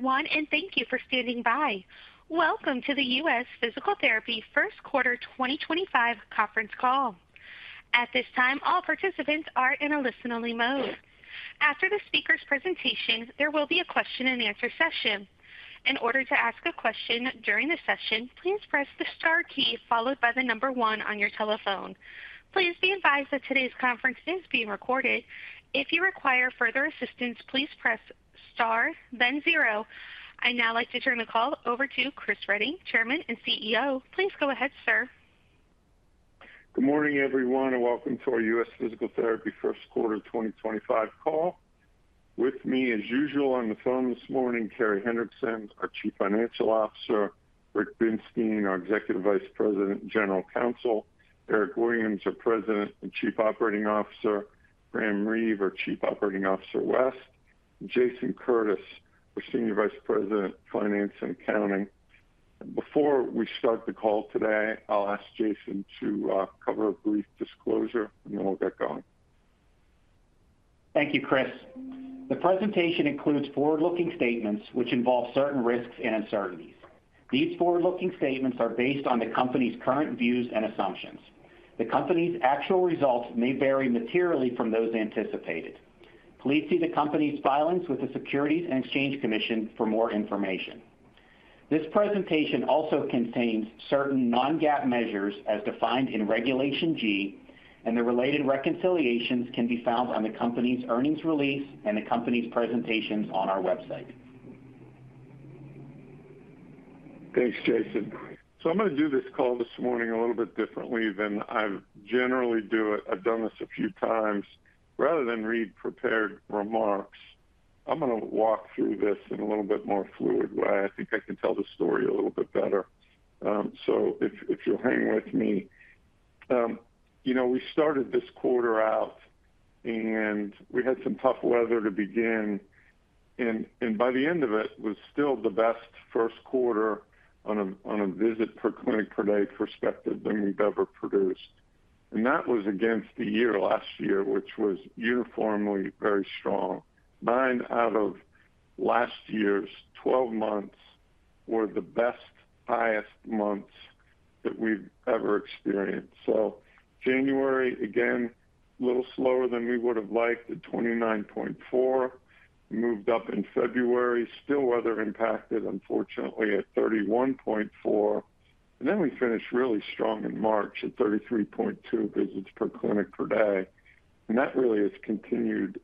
Everyone, and thank you for standing by. Welcome to the U.S. Physical Therapy First Quarter 2025 conference call. At this time, all participants are in a listen-only mode. After the speaker's presentation, there will be a question-and-answer session. In order to ask a question during the session, please press the star key followed by the number one on your telephone. Please be advised that today's conference is being recorded. If you require further assistance, please press star, then zero. I'd now like to turn the call over to Chris Reading, Chairman and CEO. Please go ahead, sir. Good morning, everyone, and welcome to our U.S. Physical Therapy First Quarter 2025 call. With me, as usual, on the phone this morning, Carey Hendrickson, our Chief Financial Officer; Rick Binstein, our Executive Vice President and General Counsel; Eric Williams, our President and Chief Operating Officer; Graham Reeve, our Chief Operating Officer, West; Jason Curtis, our Senior Vice President, Finance and Accounting. Before we start the call today, I'll ask Jason to cover a brief disclosure, and then we'll get going. Thank you, Chris. The presentation includes forward-looking statements, which involve certain risks and uncertainties. These forward-looking statements are based on the company's current views and assumptions. The company's actual results may vary materially from those anticipated. Please see the company's filings with the Securities and Exchange Commission for more information. This presentation also contains certain non-GAAP measures as defined in Regulation G, and the related reconciliations can be found on the company's earnings release and the company's presentations on our website. Thanks, Jason. I am going to do this call this morning a little bit differently than I generally do. I have done this a few times. Rather than read prepared remarks, I am going to walk through this in a little bit more fluid way. I think I can tell the story a little bit better. If you will hang with me. You know, we started this quarter out, and we had some tough weather to begin. By the end of it, it was still the best first quarter on a visit per clinic per day perspective than we have ever produced. That was against the year last year, which was uniformly very strong. Nine out of last year's 12 months were the best, highest months that we have ever experienced. January, again, a little slower than we would have liked at 29.4, moved up in February, still weather impacted, unfortunately, at 31.4. We finished really strong in March at 33.2 visits per clinic per day. That really has continued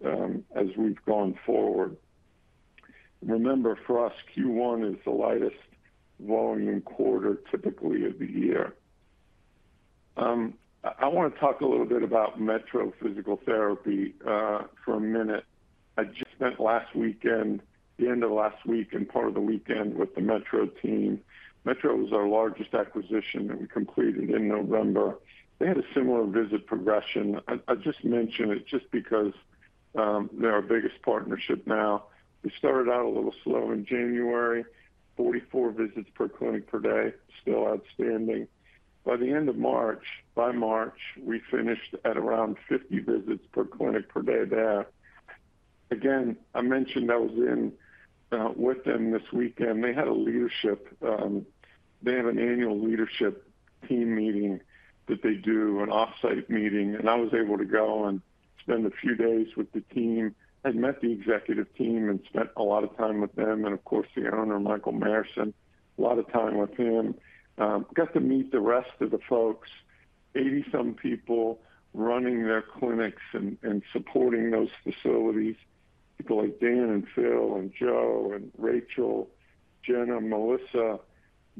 as we've gone forward. Remember, for us, Q1 is the lightest volume quarter typically of the year. I want to talk a little bit about Metro Physical & Aquatic Therapy for a minute. I spent last weekend, the end of last week and part of the weekend with the Metro team. Metro was our largest acquisition that we completed in November. They had a similar visit progression. I just mention it just because they're our biggest partnership now. We started out a little slow in January, 44 visits per clinic per day, still outstanding. By the end of March, by March, we finished at around 50 visits per clinic per day there. Again, I mentioned I was in with them this weekend. They had a leadership. They have an annual leadership team meeting that they do, an offsite meeting. I was able to go and spend a few days with the team. I had met the executive team and spent a lot of time with them, and of course, the owner, Michael Mayrsohn, a lot of time with him. Got to meet the rest of the folks, 80-some people running their clinics and supporting those facilities. People like Dan and Phil and Joe and Rachel, Jenna, Melissa,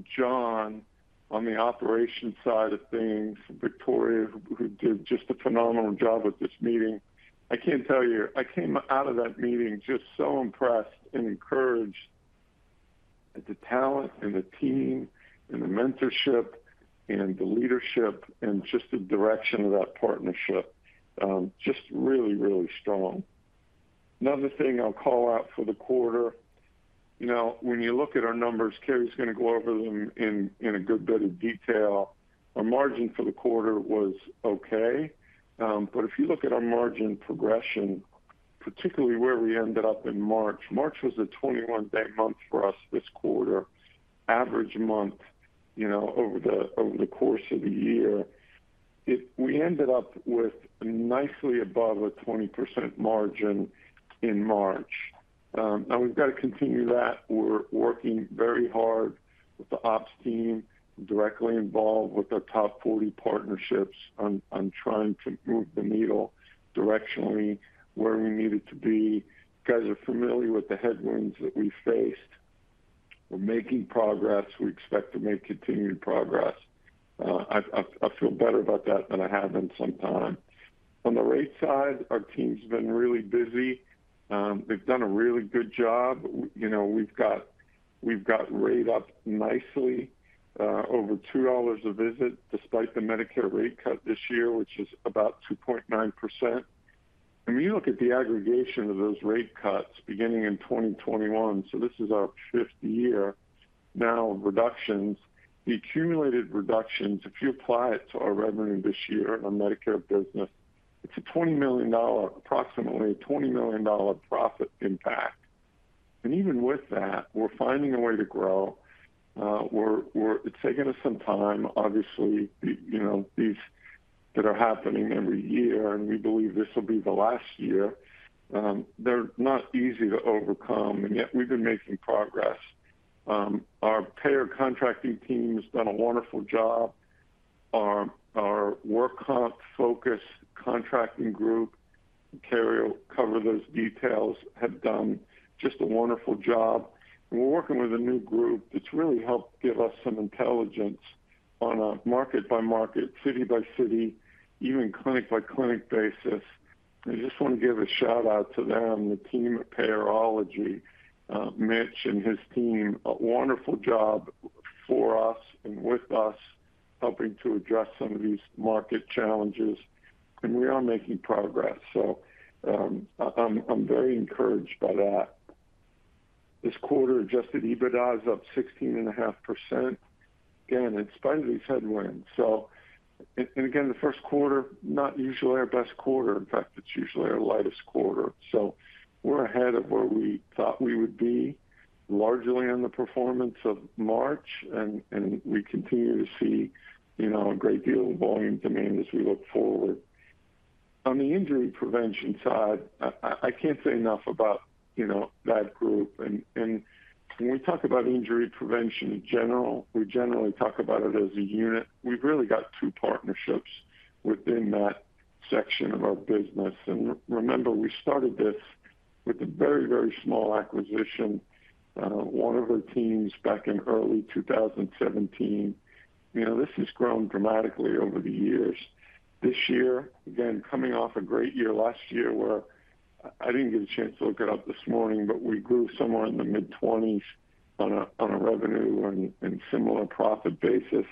John on the operations side of things, Victoria, who did just a phenomenal job with this meeting. I can't tell you, I came out of that meeting just so impressed and encouraged at the talent and the team and the mentorship and the leadership and just the direction of that partnership. Just really, really strong. Another thing I'll call out for the quarter, you know, when you look at our numbers, Carey's going to go over them in a good bit of detail. Our margin for the quarter was okay. If you look at our margin progression, particularly where we ended up in March, March was a 21-day month for us this quarter, average month, you know, over the course of the year. We ended up with nicely above a 20% margin in March. Now, we've got to continue that. We're working very hard with the ops team, directly involved with our top 40 partnerships on trying to move the needle directionally where we needed to be. You guys are familiar with the headwinds that we faced. We're making progress. We expect to make continued progress. I feel better about that than I have in some time. On the rate side, our team's been really busy. They've done a really good job. You know, we've got rate up nicely, over $2 a visit, despite the Medicare rate cut this year, which is about 2.9%. When you look at the aggregation of those rate cuts beginning in 2021, this is our fifth year now of reductions, the accumulated reductions, if you apply it to our revenue this year in our Medicare business, it's a $20 million, approximately a $20 million profit impact. Even with that, we're finding a way to grow. It's taken us some time, obviously, you know, these that are happening every year, and we believe this will be the last year. They're not easy to overcome, and yet we've been making progress. Our payer contracting team has done a wonderful job. Our work comp focus contracting group, Carey will cover those details, have done just a wonderful job. We're working with a new group that's really helped give us some intelligence on a market by market, city by city, even clinic by clinic basis. I just want to give a shout out to them, the team at Careology, Mitch and his team. A wonderful job for us and with us, helping to address some of these market challenges. We are making progress. I'm very encouraged by that. This quarter, adjusted EBITDA is up 16.5%. Again, in spite of these headwinds. And again, the first quarter, not usually our best quarter. In fact, it's usually our lightest quarter. We're ahead of where we thought we would be, largely on the performance of March. We continue to see, you know, a great deal of volume demand as we look forward. On the injury prevention side, I can't say enough about, you know, that group. When we talk about injury prevention in general, we generally talk about it as a unit. We've really got two partnerships within that section of our business. Remember, we started this with a very, very small acquisition, one of our teams back in early 2017. You know, this has grown dramatically over the years. This year, again, coming off a great year last year where I didn't get a chance to look it up this morning, but we grew somewhere in the mid-20% on a revenue and similar profit basis.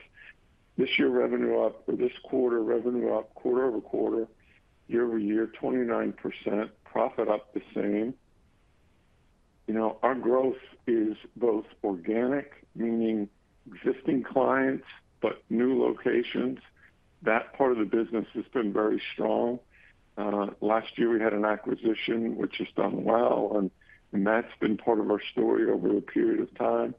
This year, revenue up, or this quarter, revenue up, quarter-over-quarter, year-over-year, 29%, profit up the same. You know, our growth is both organic, meaning existing clients, but new locations. That part of the business has been very strong. Last year, we had an acquisition which has done well, and that's been part of our story over a period of time.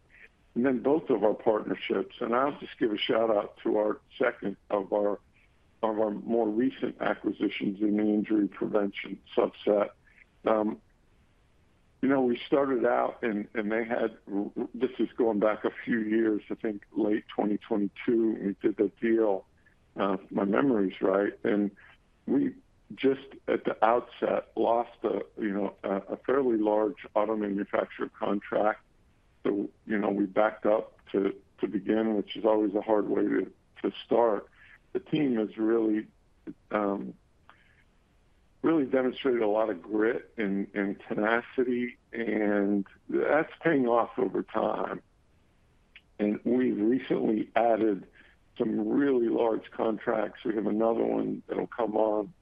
Then both of our partnerships, and I'll just give a shout out to our second of our more recent acquisitions in the injury prevention subset. You know, we started out, and they had, this is going back a few years, I think late 2022, we did the deal, if my memory is right, and we just at the outset lost a, you know, a fairly large auto manufacturer contract. You know, we backed up to begin, which is always a hard way to start. The team has really, really demonstrated a lot of grit and tenacity, and that's paying off over time. We've recently added some really large contracts. We have another one that'll come on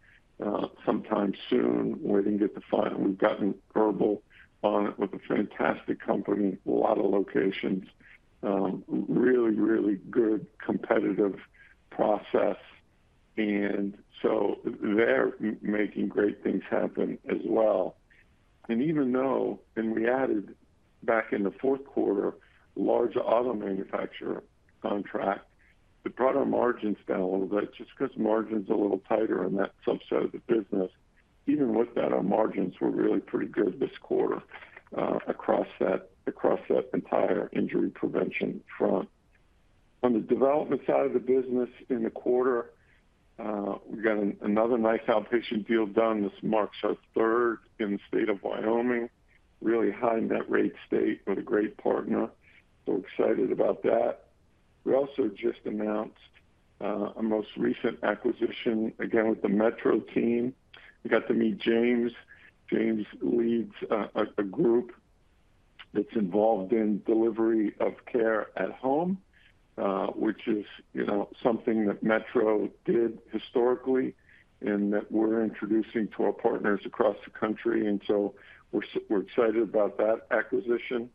sometime soon. Waiting to get the final. We've gotten verbal on it with a fantastic company, a lot of locations, really, really good competitive process. They're making great things happen as well. Even though, and we added back in the fourth quarter, a large auto manufacturer contract, it brought our margins down a little bit just because margins are a little tighter in that subset of the business. Even with that, our margins were really pretty good this quarter across that entire injury prevention front. On the development side of the business in the quarter, we got another nice outpatient deal done. This marks our third in the state of Wyoming, really high net rate state with a great partner. Excited about that. We also just announced a most recent acquisition, again, with the Metro team. We got to meet James. James leads a group that's involved in delivery of care at home, which is, you know, something that Metro did historically and that we're introducing to our partners across the country. Excited about that acquisition.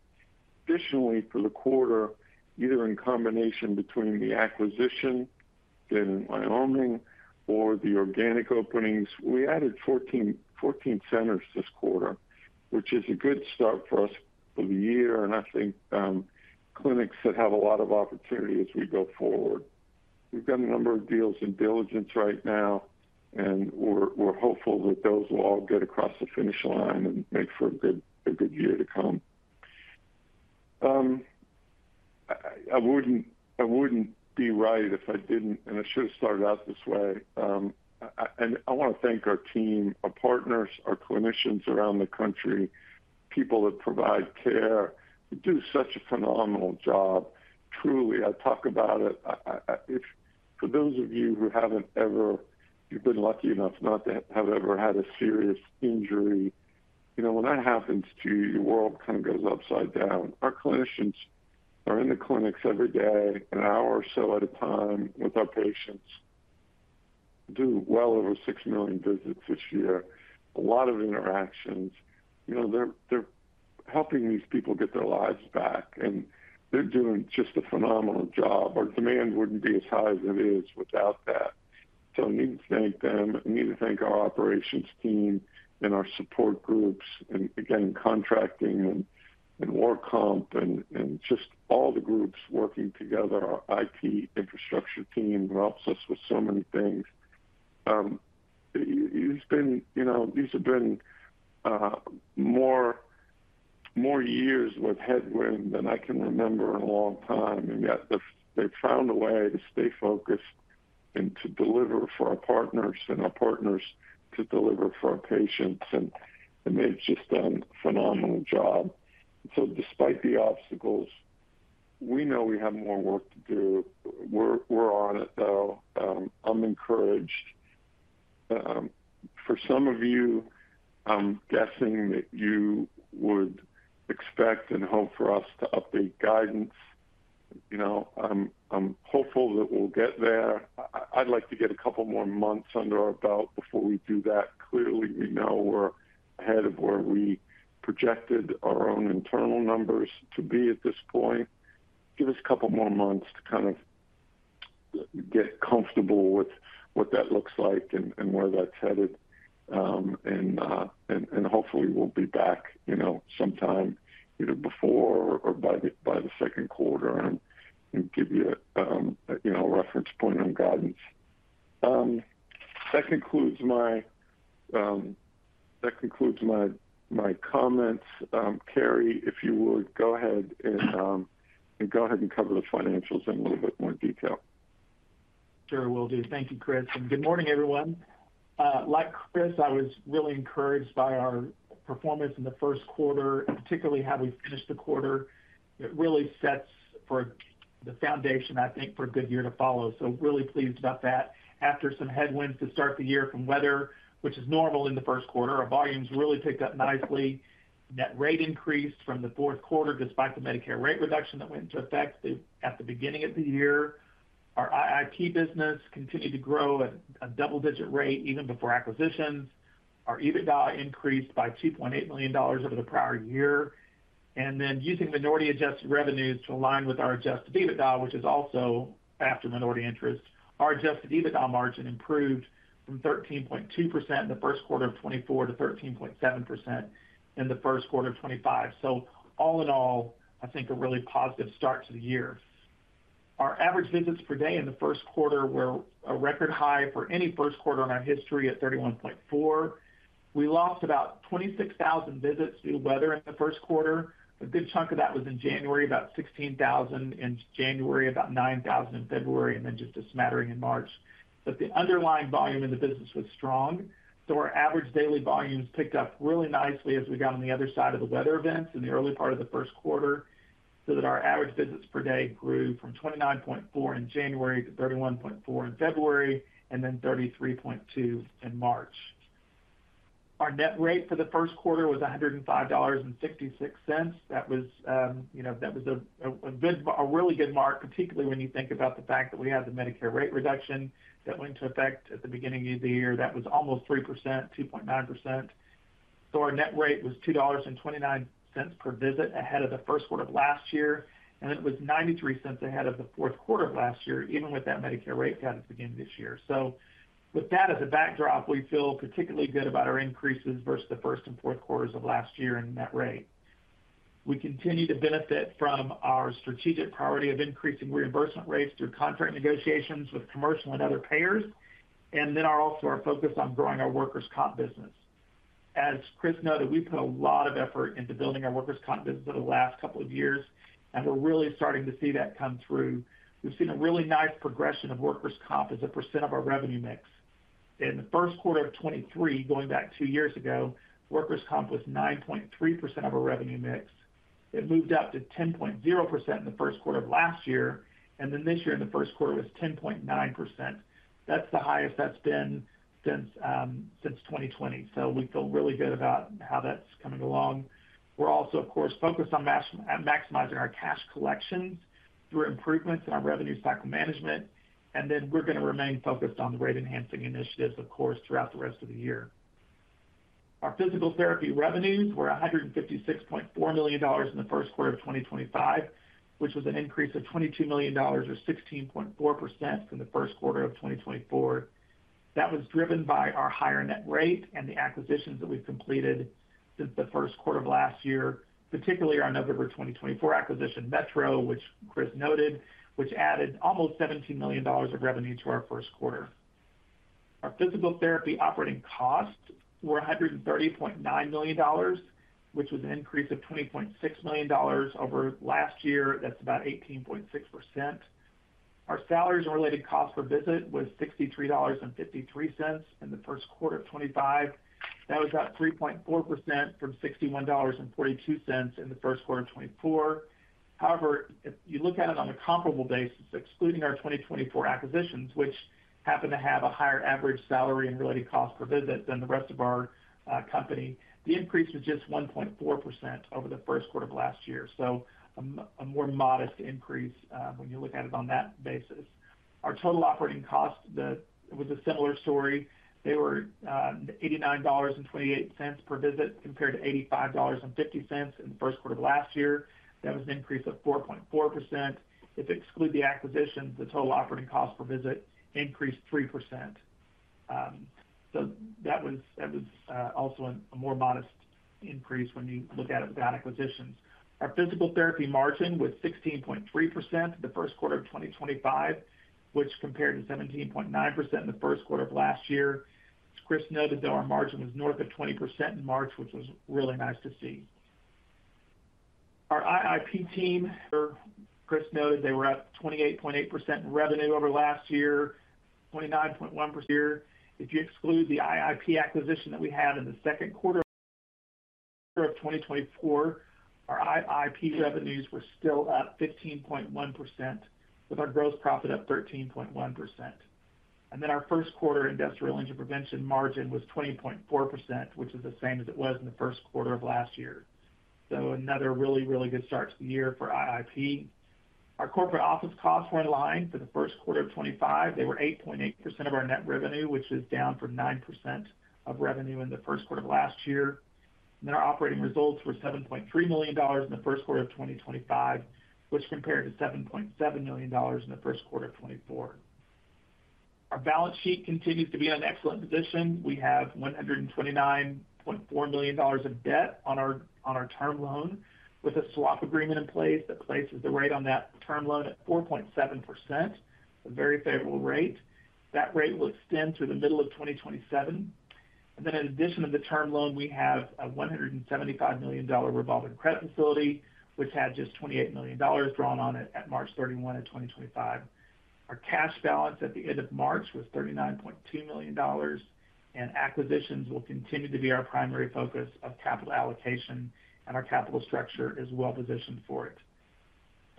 Additionally, for the quarter, either in combination between the acquisition in Wyoming or the organic openings, we added 14 centers this quarter, which is a good start for us for the year. I think clinics that have a lot of opportunity as we go forward. We've got a number of deals in diligence right now, and we're hopeful that those will all get across the finish line and make for a good year to come. I wouldn't be right if I didn't, and I should have started out this way. I want to thank our team, our partners, our clinicians around the country, people that provide care who do such a phenomenal job. Truly, I talk about it. For those of you who have not ever, you have been lucky enough not to have ever had a serious injury, you know, when that happens to you, your world kind of goes upside down. Our clinicians are in the clinics every day, an hour or so at a time with our patients. We do well over 6 million visits this year. A lot of interactions. You know, they are helping these people get their lives back, and they are doing just a phenomenal job. Our demand would not be as high as it is without that. I need to thank them. I need to thank our operations team and our support groups and, again, contracting and work comp and just all the groups working together. Our IT infrastructure team helps us with so many things. It's been, you know, these have been more years with headwind than I can remember in a long time. Yet they've found a way to stay focused and to deliver for our partners and our partners to deliver for our patients. They've just done a phenomenal job. Despite the obstacles, we know we have more work to do. We're on it, though. I'm encouraged. For some of you, I'm guessing that you would expect and hope for us to update guidance. You know, I'm hopeful that we'll get there. I'd like to get a couple more months under our belt before we do that. Clearly, we know we're ahead of where we projected our own internal numbers to be at this point. Give us a couple more months to kind of get comfortable with what that looks like and where that's headed. Hopefully, we'll be back, you know, sometime either before or by the second quarter and give you, you know, a reference point on guidance. That concludes my comments. Carey, if you would, go ahead and cover the financials in a little bit more detail. Sure, will do. Thank you, Chris. Good morning, everyone. Like Chris, I was really encouraged by our performance in the first quarter, particularly how we finished the quarter. It really sets the foundation, I think, for a good year to follow. Really pleased about that. After some headwinds to start the year from weather, which is normal in the first quarter, our volumes really picked up nicely. Net rate increased from the fourth quarter despite the Medicare rate reduction that went into effect at the beginning of the year. Our IIP business continued to grow at a double-digit rate even before acquisitions. Our EBITDA increased by $2.8 million over the prior year. Using minority-adjusted revenues to align with our adjusted EBITDA, which is also after minority interest, our adjusted EBITDA margin improved from 13.2% in the first quarter of 2024 to 13.7% in the first quarter of 2025. All in all, I think a really positive start to the year. Our average visits per day in the first quarter were a record high for any first quarter in our history at 31.4. We lost about 26,000 visits due to weather in the first quarter. A good chunk of that was in January, about 16,000 in January, about 9,000 in February, and then just a smattering in March. The underlying volume in the business was strong. Our average daily volumes picked up really nicely as we got on the other side of the weather events in the early part of the first quarter. Our average visits per day grew from 29.4 in January to 31.4 in February and then 33.2 in March. Our net rate for the first quarter was $105.66. That was, you know, that was a good, a really good mark, particularly when you think about the fact that we had the Medicare rate reduction that went into effect at the beginning of the year. That was almost 3%, 2.9%. Our net rate was $2.29 per visit ahead of the first quarter of last year. It was $0.93 ahead of the fourth quarter of last year, even with that Medicare rate cut at the beginning of this year. With that as a backdrop, we feel particularly good about our increases versus the first and fourth quarters of last year in net rate. We continue to benefit from our strategic priority of increasing reimbursement rates through contract negotiations with commercial and other payers. Also, our focus on growing our workers' comp business. As Chris noted, we put a lot of effort into building our workers' comp business over the last couple of years, and we're really starting to see that come through. We've seen a really nice progression of workers' comp as a percent of our revenue mix. In the first quarter of 2023, going back two years ago, workers' comp was 9.3% of our revenue mix. It moved up to 10.0% in the first quarter of last year. This year, in the first quarter, it was 10.9%. That's the highest that's been since 2020. We feel really good about how that's coming along. We're also, of course, focused on maximizing our cash collections through improvements in our revenue cycle management. We're going to remain focused on the rate enhancing initiatives, of course, throughout the rest of the year. Our physical therapy revenues were $156.4 million in the first quarter of 2025, which was an increase of $22 million or 16.4% from the first quarter of 2024. That was driven by our higher net rate and the acquisitions that we've completed since the first quarter of last year, particularly our November 2024 acquisition, Metro, which Chris noted, which added almost $17 million of revenue to our first quarter. Our physical therapy operating costs were $130.9 million, which was an increase of $20.6 million over last year. That's about 18.6%. Our salaries and related costs per visit was $63.53 in the first quarter of 2025. That was about 3.4% from $61.42 in the first quarter of 2024. However, if you look at it on a comparable basis, excluding our 2024 acquisitions, which happened to have a higher average salary and related costs per visit than the rest of our company, the increase was just 1.4% over the first quarter of last year. So a more modest increase when you look at it on that basis. Our total operating cost, it was a similar story. They were $89.28 per visit compared to $85.50 in the first quarter of last year. That was an increase of 4.4%. If we exclude the acquisitions, the total operating costs per visit increased 3%. So that was also a more modest increase when you look at it without acquisitions. Our physical therapy margin was 16.3% the first quarter of 2025, which compared to 17.9% in the first quarter of last year. Chris noted that our margin was north of 20% in March, which was really nice to see. Our IIP team, Chris noted they were up 28.8% in revenue over last year, 29.1% year. If you exclude the IIP acquisition that we had in the second quarter of 2024, our IIP revenues were still up 15.1%, with our gross profit up 13.1%. Our first quarter industrial injury prevention margin was 20.4%, which is the same as it was in the first quarter of last year. Another really, really good start to the year for IIP. Our corporate office costs were in line for the first quarter of 2025. They were 8.8% of our net revenue, which is down from 9% of revenue in the first quarter of last year. Our operating results were $7.3 million in the first quarter of 2025, which compared to $7.7 million in the first quarter of 2024. Our balance sheet continues to be in an excellent position. We have $129.4 million of debt on our term loan with a swap agreement in place that places the rate on that term loan at 4.7%, a very favorable rate. That rate will extend through the middle of 2027. In addition to the term loan, we have a $175 million revolving credit facility, which had just $28 million drawn on it at March 31 of 2025. Our cash balance at the end of March was $39.2 million. Acquisitions will continue to be our primary focus of capital allocation, and our capital structure is well positioned for it.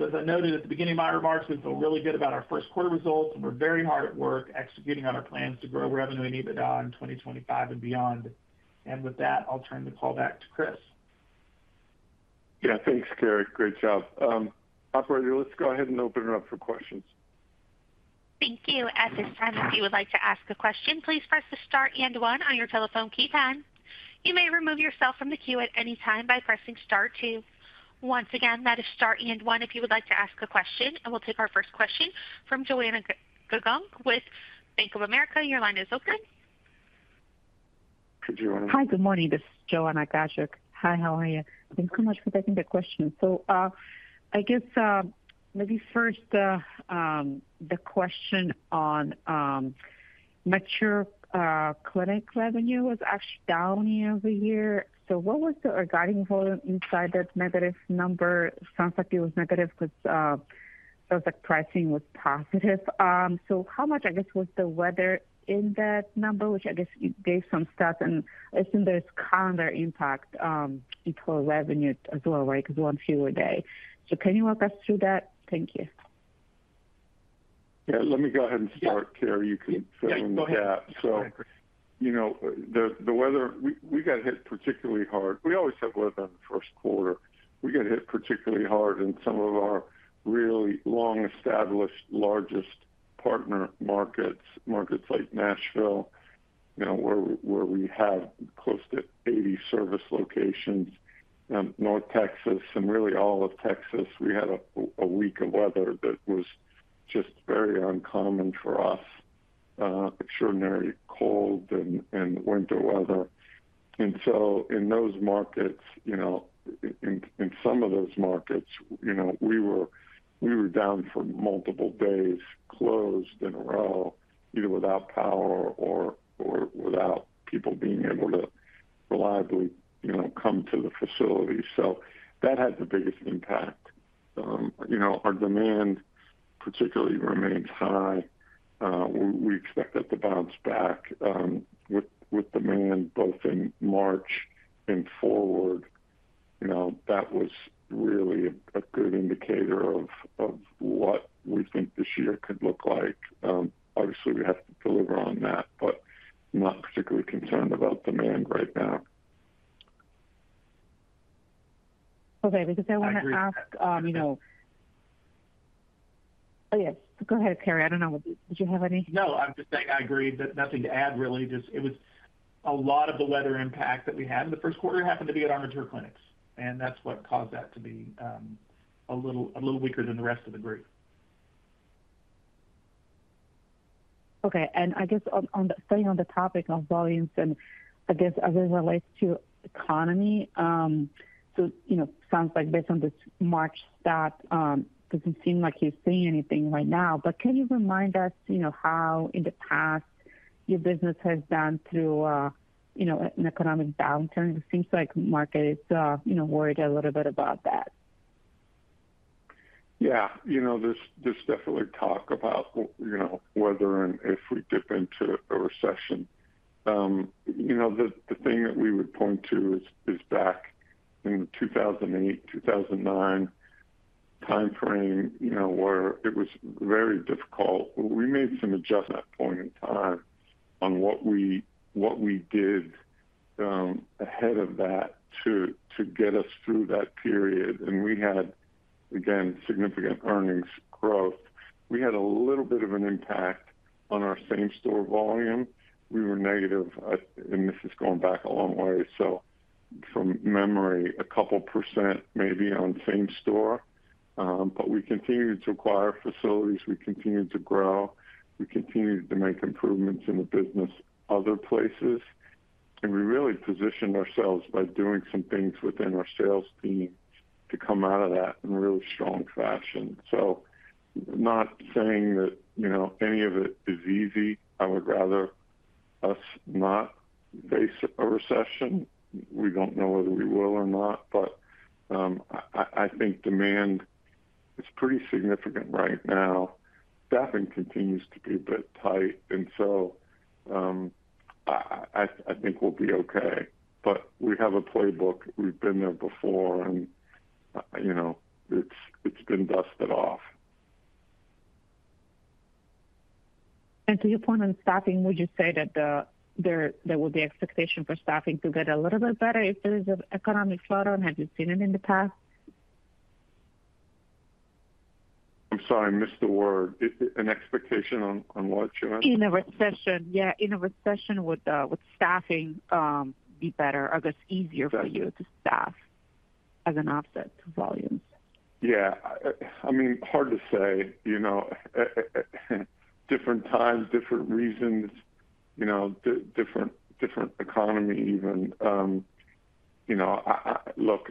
As I noted at the beginning of my remarks, we feel really good about our first quarter results, and we're very hard at work executing on our plans to grow revenue and EBITDA in 2025 and beyond. With that, I'll turn the call back to Chris. Yeah, thanks, Carey. Great job. Operator, let's go ahead and open it up for questions. Thank you. At this time, if you would like to ask a question, please press the star and one on your telephone keypad. You may remove yourself from the queue at any time by pressing star two. Once again, that is star and one if you would like to ask a question. We'll take our first question from Joanna Gajuk with Bank of America. Your line is open. Could you run? Hi, good morning. This is Joanna Gajuk. Hi, how are you? Thanks so much for taking the question. I guess maybe first the question on mature clinic revenue was actually down year-over-year. What was the guiding volume inside that negative number? Sounds like it was negative because it sounds like pricing was positive. How much, I guess, was the weather in that number, which I guess you gave some stats and assumed there is calendar impact into revenue as well, right? Because one fewer day. Can you walk us through that? Thank you. Yeah, let me go ahead and start, Carey. You can fill in the gap. You know, the weather, we got hit particularly hard. We always have weather in the first quarter. We got hit particularly hard in some of our really long-established, largest partner markets, markets like Nashville, you know, where we have close to 80 service locations, North Texas, and really all of Texas. We had a week of weather that was just very uncommon for us, extraordinary cold and winter weather. In those markets, you know, in some of those markets, you know, we were down for multiple days closed in a row, either without power or without people being able to reliably, you know, come to the facility. That had the biggest impact. You know, our demand particularly remains high. We expect that to bounce back with demand both in March and forward. You know, that was really a good indicator of what we think this year could look like. Obviously, we have to deliver on that, but not particularly concerned about demand right now. Okay, because I want to ask, you know. Oh, yes. Go ahead, Carey. I don't know. Did you have any? No, I'm just saying I agree. Nothing to add, really. Just it was a lot of the weather impact that we had in the first quarter happened to be at our mature clinics. And that's what caused that to be a little weaker than the rest of the group. Okay. I guess on the staying on the topic of volumes and I guess as it relates to economy, so, you know, sounds like based on this March stat, it doesn't seem like you're seeing anything right now. But can you remind us, you know, how in the past your business has done through, you know, an economic downturn? It seems like the market is, you know, worried a little bit about that. Yeah, you know, there's definitely talk about, you know, whether and if we dip into a recession. You know, the thing that we would point to is back in the 2008, 2009 timeframe, you know, where it was very difficult. We made some adjustments at that point in time on what we did ahead of that to get us through that period. We had, again, significant earnings growth. We had a little bit of an impact on our same store volume. We were negative, and this is going back a long way. So from memory, a couple % maybe on same store. But we continued to acquire facilities. We continued to grow. We continued to make improvements in the business other places. We really positioned ourselves by doing some things within our sales team to come out of that in a really strong fashion. Not saying that, you know, any of it is easy. I would rather us not face a recession. We do not know whether we will or not, but I think demand is pretty significant right now. Staffing continues to be a bit tight. I think we will be okay. We have a playbook. We have been there before, and, you know, it has been dusted off. To your point on staffing, would you say that there would be expectation for staffing to get a little bit better if there is an economic slowdown? Have you seen it in the past? I am sorry, I missed the word. An expectation on what, Joanna? In a recession. Yeah, in a recession would staffing be better, I guess, easier for you to staff as an offset to volumes? Yeah. I mean, hard to say, you know, different times, different reasons, you know, different economy even. You know, look,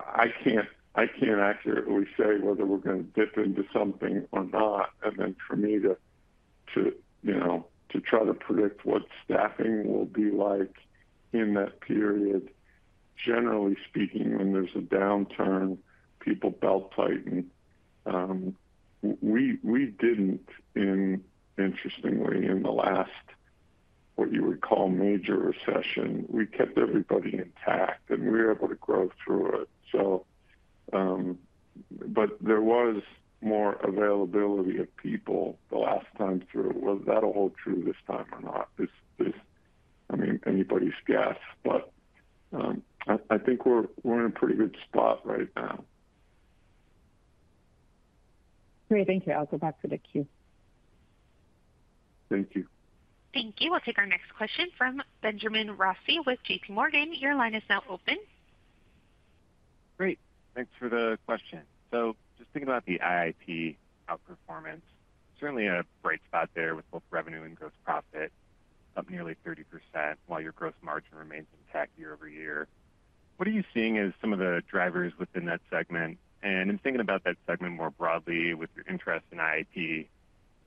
I can't accurately say whether we're going to dip into something or not. And then for me to, you know, to try to predict what staffing will be like in that period, generally speaking, when there's a downturn, people belt tighten. We didn't, interestingly, in the last, what you would call, major recession. We kept everybody intact, and we were able to grow through it. So, but there was more availability of people the last time through. Will that hold true this time or not? I mean, anybody's guess, but I think we're in a pretty good spot right now. Great. Thank you. I'll go back to the queue. Thank you. Thank you. We'll take our next question from Benjamin Rossi with JPMorgan. Your line is now open. Great. Thanks for the question. Just thinking about the IIP outperformance, certainly a bright spot there with both revenue and gross profit up nearly 30%, while your gross margin remains intact year-over-year. What are you seeing as some of the drivers within that segment? I am thinking about that segment more broadly with your interest in IIP.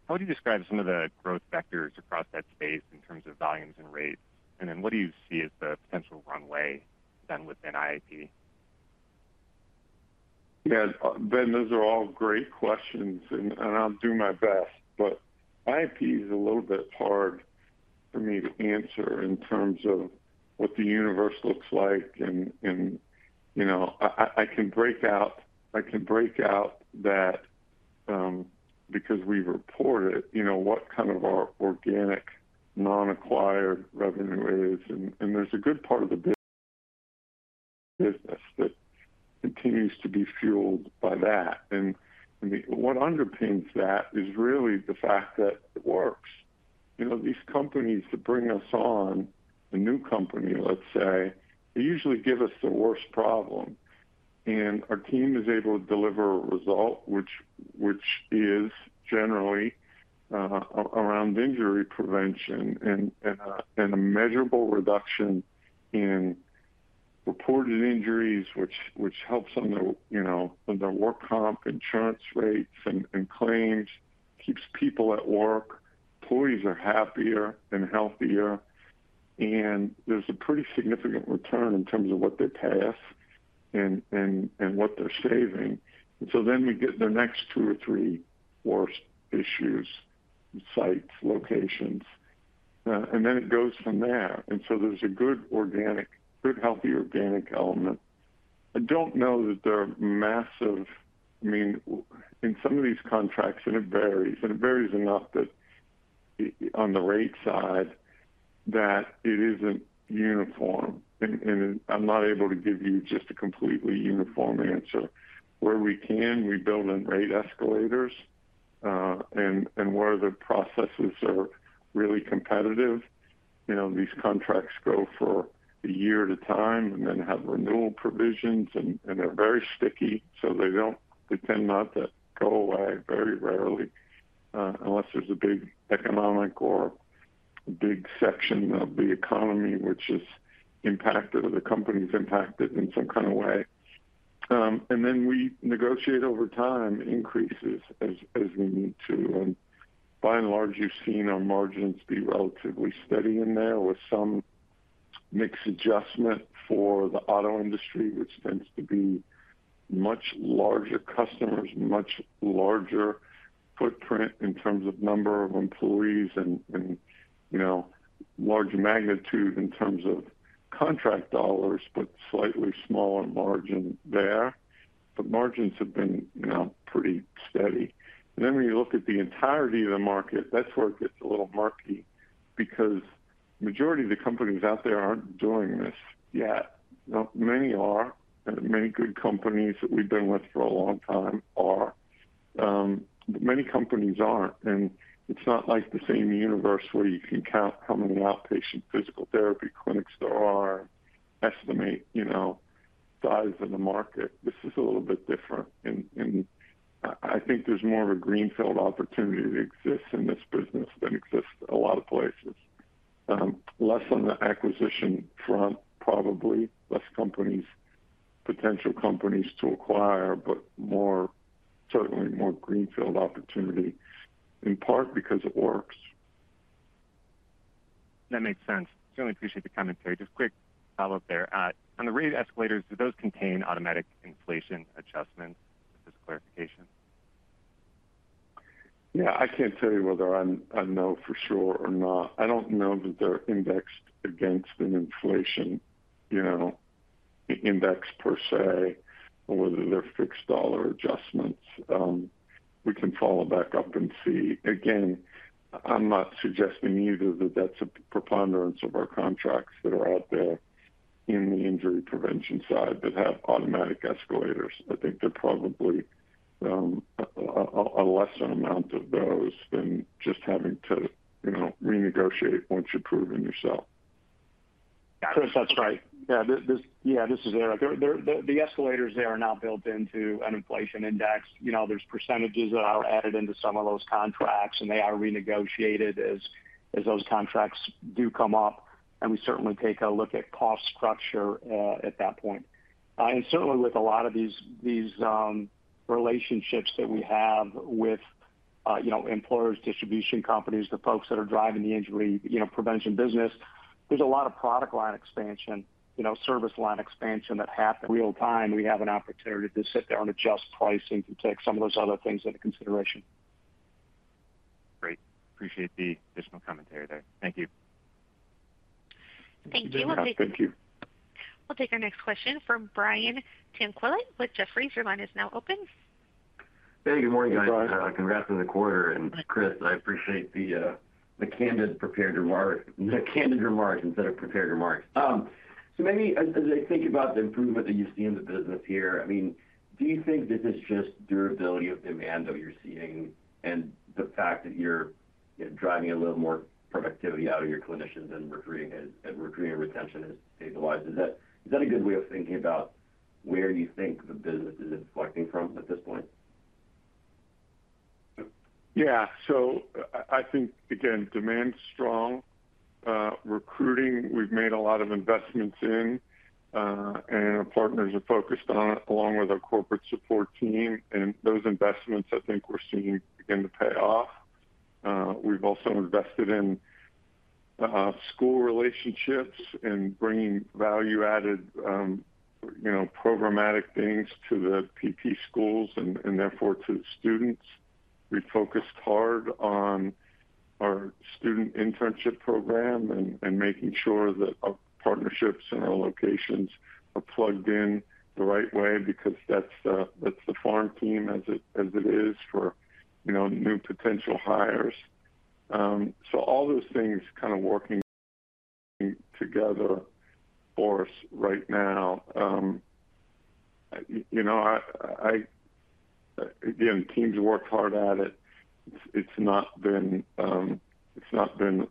How would you describe some of the growth vectors across that space in terms of volumes and rates? What do you see as the potential runway done within IIP? Yeah, Ben, those are all great questions, and I'll do my best. IIP is a little bit hard for me to answer in terms of what the universe looks like. You know, I can break out, I can break out that because we report it, you know, what kind of our organic non-acquired revenue is. There's a good part of the business that continues to be fueled by that. What underpins that is really the fact that it works. You know, these companies that bring us on, a new company, let's say, they usually give us the worst problem. Our team is able to deliver a result, which is generally around injury prevention and a measurable reduction in reported injuries, which helps on the, you know, on the work comp insurance rates and claims, keeps people at work, employees are happier and healthier. There's a pretty significant return in terms of what they pay us and what they're saving. We get the next two or three worst issues, sites, locations. It goes from there. There's a good organic, good healthy organic element. I don't know that there are massive, I mean, in some of these contracts, and it varies, and it varies enough that on the rate side that it isn't uniform. I'm not able to give you just a completely uniform answer. Where we can, we build in rate escalators. Where the processes are really competitive, you know, these contracts go for a year at a time and then have renewal provisions. They're very sticky, so they tend not to go away very rarely unless there's a big economic or a big section of the economy which is impacted or the company is impacted in some kind of way. We negotiate over time increases as we need to. By and large, you've seen our margins be relatively steady in there with some mixed adjustment for the auto industry, which tends to be much larger customers, much larger footprint in terms of number of employees and, you know, large magnitude in terms of contract dollars, but slightly smaller margin there. Margins have been, you know, pretty steady. When you look at the entirety of the market, that's where it gets a little murky because the majority of the companies out there aren't doing this yet. Many are, and many good companies that we've been with for a long time are. Many companies aren't. It's not like the same universe where you can count how many outpatient physical therapy clinics there are and estimate, you know, size of the market. This is a little bit different. I think there is more of a greenfield opportunity that exists in this business than exists a lot of places. Less on the acquisition front, probably fewer companies, potential companies to acquire, but more, certainly more greenfield opportunity, in part because it works. That makes sense. Certainly appreciate the commentary. Just quick follow-up there. On the rate escalators, do those contain automatic inflation adjustments? Just clarification. Yeah, I cannot tell you whether I know for sure or not. I do not know that they are indexed against an inflation, you know, index per se, or whether they are fixed dollar adjustments. We can follow back up and see. Again, I am not suggesting either that that is a preponderance of our contracts that are out there in the injury prevention side that have automatic escalators. I think there is probably a lesser amount of those than just having to, you know, renegotiate once you have proven yourself. Chris, that's right. Yeah, this is Eric. The escalators there are now built into an inflation index. You know, there's percentages that are added into some of those contracts, and they are renegotiated as those contracts do come up. We certainly take a look at cost structure at that point. Certainly with a lot of these relationships that we have with, you know, employers, distribution companies, the folks that are driving the injury, you know, prevention business, there's a lot of product line expansion, you know, service line expansion that happens. Real time, we have an opportunity to sit there and adjust pricing to take some of those other things into consideration. Great. Appreciate the additional commentary there. Thank you. Thank you. We'll take our next question from Brian Tanquilut with Jefferies. Your line is now open. Hey, good morning, guys. Congrats on the quarter. Chris, I appreciate the candid prepared remarks, the candid remarks instead of prepared remarks. Maybe as I think about the improvement that you see in the business here, I mean, do you think this is just durability of demand that you're seeing and the fact that you're driving a little more productivity out of your clinicians and recruiting retention has stabilized? Is that a good way of thinking about where you think the business is inflecting from at this point? Yeah. I think, again, demand's strong. Recruiting, we've made a lot of investments in, and our partners are focused on it along with our corporate support team. Those investments, I think we're seeing, again, to pay off. We've also invested in school relationships and bringing value-added, you know, programmatic things to the PT schools and therefore to the students. We focused hard on our student internship program and making sure that our partnerships and our locations are plugged in the right way because that's the farm team as it is for, you know, new potential hires. All those things kind of working together for us right now. You know, again, teams work hard at it. It's not been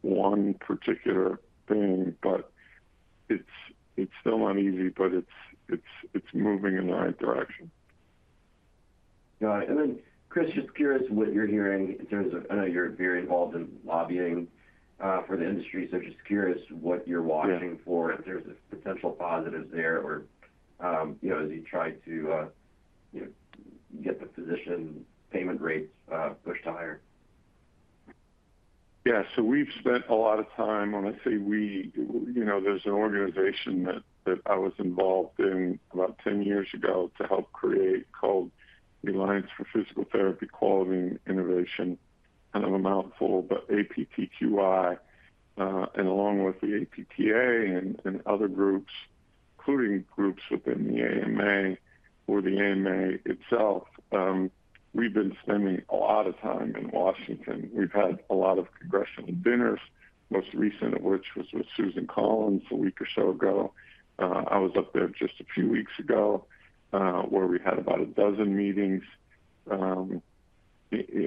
one particular thing, but it's still not easy, but it's moving in the right direction. Got it. Chris, just curious what you're hearing in terms of, I know you're very involved in lobbying for the industry, so just curious what you're watching for in terms of potential positives there or, you know, as you try to, you know, get the physician payment rates pushed higher. Yeah. We've spent a lot of time, when I say we, you know, there's an organization that I was involved in about 10 years ago to help create called the Alliance for Physical Therapy Quality and Innovation. Kind of a mouthful, but APTQI. Along with the APTA and other groups, including groups within the AMA or the AMA itself, we've been spending a lot of time in Washington. We've had a lot of congressional dinners, most recent of which was with Susan Collins a week or so ago. I was up there just a few weeks ago where we had about a dozen meetings,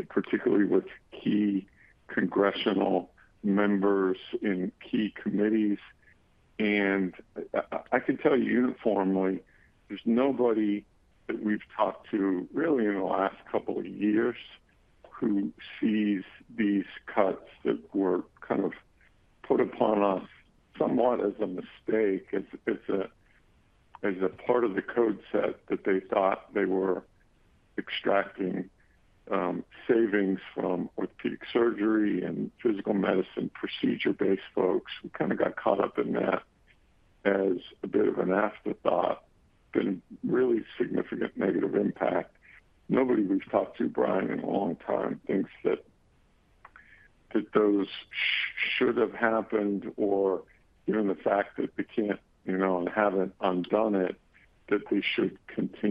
particularly with key congressional members in key committees. I can tell you uniformly, there's nobody that we've talked to really in the last couple of years who sees these cuts that were kind of put upon us somewhat as a mistake. It's a part of the code set that they thought they were extracting savings from orthopedic surgery and physical medicine procedure-based folks. We kind of got caught up in that as a bit of an afterthought. Been really significant negative impact. Nobody we've talked to, Brian, in a long time thinks that those should have happened or even the fact that they can't, you know, and haven't undone it, that they should continue.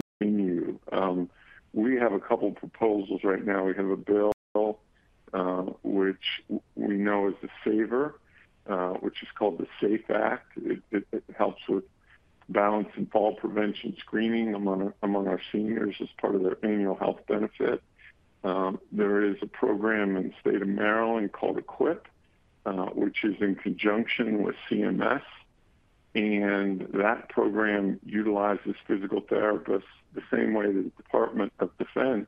We have a couple of proposals right now. We have a bill which we know is a saver, which is called the SAFE Act. It helps with balance and fall prevention screening among our seniors as part of their annual health benefit. There is a program in the state of Maryland called EQIP, which is in conjunction with CMS. That program utilizes physical therapists the same way the Department of Defense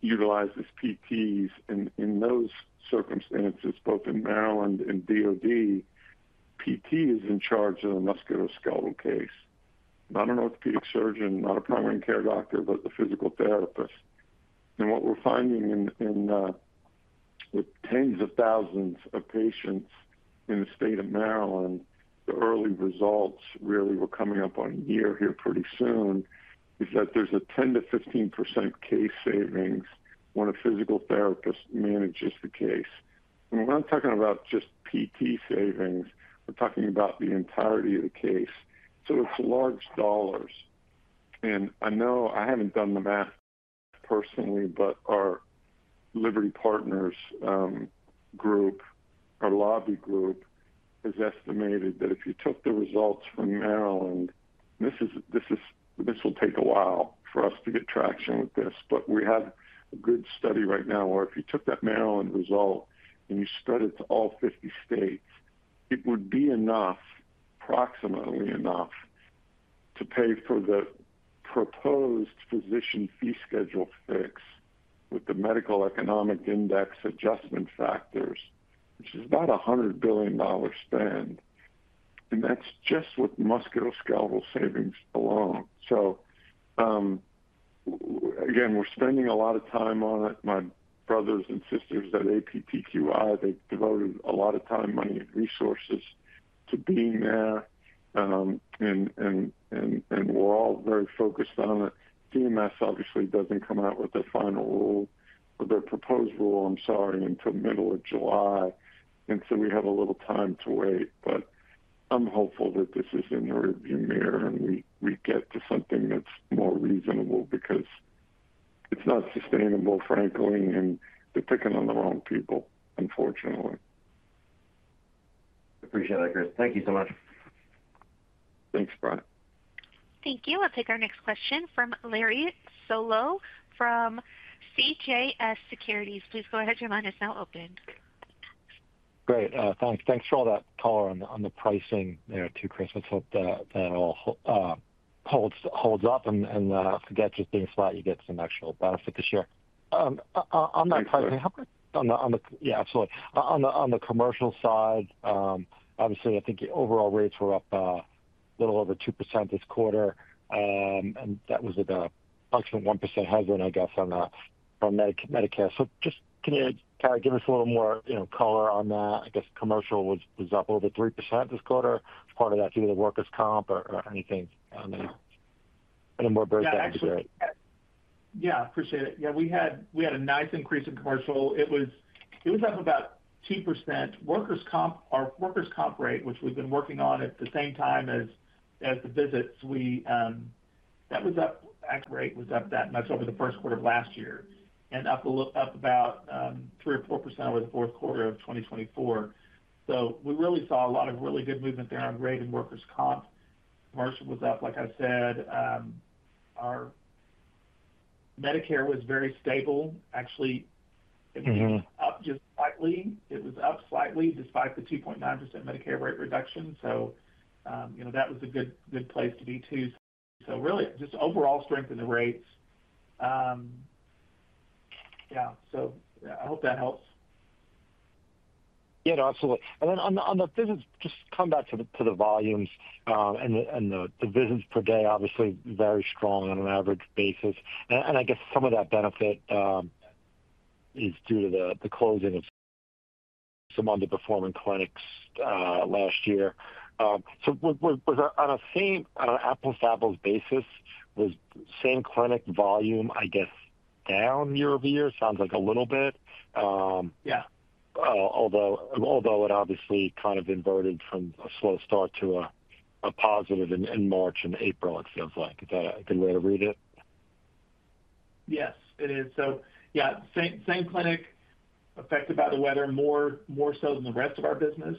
utilizes PTs in those circumstances, both in Maryland and DoD. PT is in charge of the musculoskeletal case. Not an orthopedic surgeon, not a primary care doctor, but the physical therapist. What we're finding in the tens of thousands of patients in the state of Maryland, the early results really were coming up on a year here pretty soon, is that there's a 10%-15% case savings when a physical therapist manages the case. We're not talking about just PT savings. We're talking about the entirety of the case. It is large dollars. I know I haven't done the math personally, but our Liberty Partners group, our lobby group, has estimated that if you took the results from Maryland, this will take a while for us to get traction with this. We have a good study right now where if you took that Maryland result and you spread it to all 50 states, it would be enough, approximately enough, to pay for the proposed physician fee schedule fix with the medical economic index adjustment factors, which is about $100 billion spend. That's just what musculoskeletal savings alone. Again, we're spending a lot of time on it. My brothers and sisters at APTQI, they've devoted a lot of time, money, and resources to being there. We're all very focused on it. CMS obviously doesn't come out with a final rule or their proposed rule, I'm sorry, until middle of July. We have a little time to wait. I'm hopeful that this is in the rearview mirror and we get to something that's more reasonable because it's not sustainable, frankly, and they're picking on the wrong people, unfortunately. Appreciate that, Chris. Thank you so much. Thanks, Brian. Thank you. I'll take our next question from Larry Solow from CJS Securities. Please go ahead to your line. It's now open. Great. Thanks. Thanks for all that color on the pricing there too, Chris. I hope that all holds up and forget just being flat. You get some actual benefit this year. On that pricing, how much on the, yeah, absolutely. On the commercial side, obviously, I think overall rates were up a little over 2% this quarter. And that was at approximately 1% headwind, I guess, on Medicare. So just Can you kind of give us a little more, you know, color on that? I guess commercial was up over 3% this quarter. Part of that due to the workers' comp or anything? Any more breakdowns? Yeah, I appreciate it. Yeah, we had a nice increase in commercial. It was up about 2%. Workers' comp, our workers' comp rate, which we've been working on at the same time as the visits, that was up. Rate was up that much over the first quarter of last year and up about 3%-4% over the fourth quarter of 2024. We really saw a lot of really good movement there on rate and workers' comp. Commercial was up, like I said. Our Medicare was very stable. Actually, it was up just slightly. It was up slightly despite the 2.9% Medicare rate reduction. You know, that was a good place to be too. Really just overall strength in the rates. Yeah. I hope that helps. Yeah, absolutely. And then on the visits, just come back to the volumes and the visits per day, obviously very strong on an average basis. I guess some of that benefit is due to the closing of some underperforming clinics last year. On an apples-to-apples basis, was the same clinic volume, I guess, down year-over-year? Sounds like a little bit. Although it obviously kind of inverted from a slow start to a positive in March and April, it feels like. Is that a good way to read it? Yes, it is. Same clinic affected by the weather more so than the rest of our business.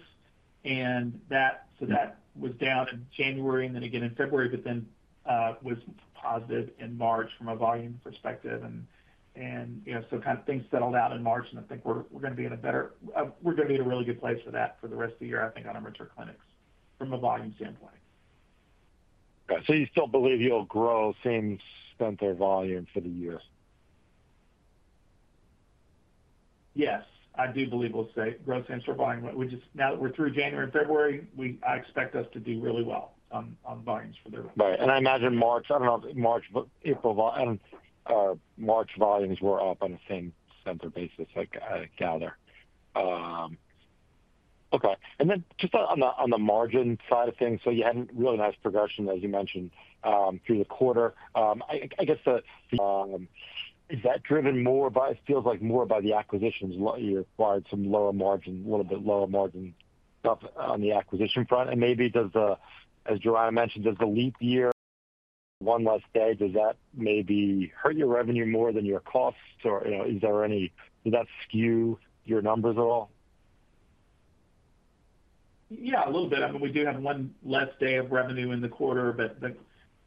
That was down in January and then again in February, but then was positive in March from a volume perspective. You know, kind of things settled out in March, and I think we're going to be in a better, we're going to be in a really good place for that for the rest of the year, I think, on our mature clinics from a volume standpoint. You still believe you'll grow same spend for volume for the year? Yes, I do believe we'll grow same spend for volume. Now that we're through January and February, I expect us to do really well on volumes for the year. Right. I imagine March, I don't know if March, April, and March volumes were up on the same spend basis, I gather. Okay. Just on the margin side of things, you had a really nice progression, as you mentioned, through the quarter. I guess the, Is that driven more by, it feels like more by the acquisitions? You acquired some lower margin, a little bit lower margin stuff on the acquisition front. And maybe does the, as Joanna mentioned, does the leap year, one less day, does that maybe hurt your revenue more than your costs? Or, you know, is there any, does that skew your numbers at all? Yeah, a little bit. I mean, we do have one less day of revenue in the quarter, but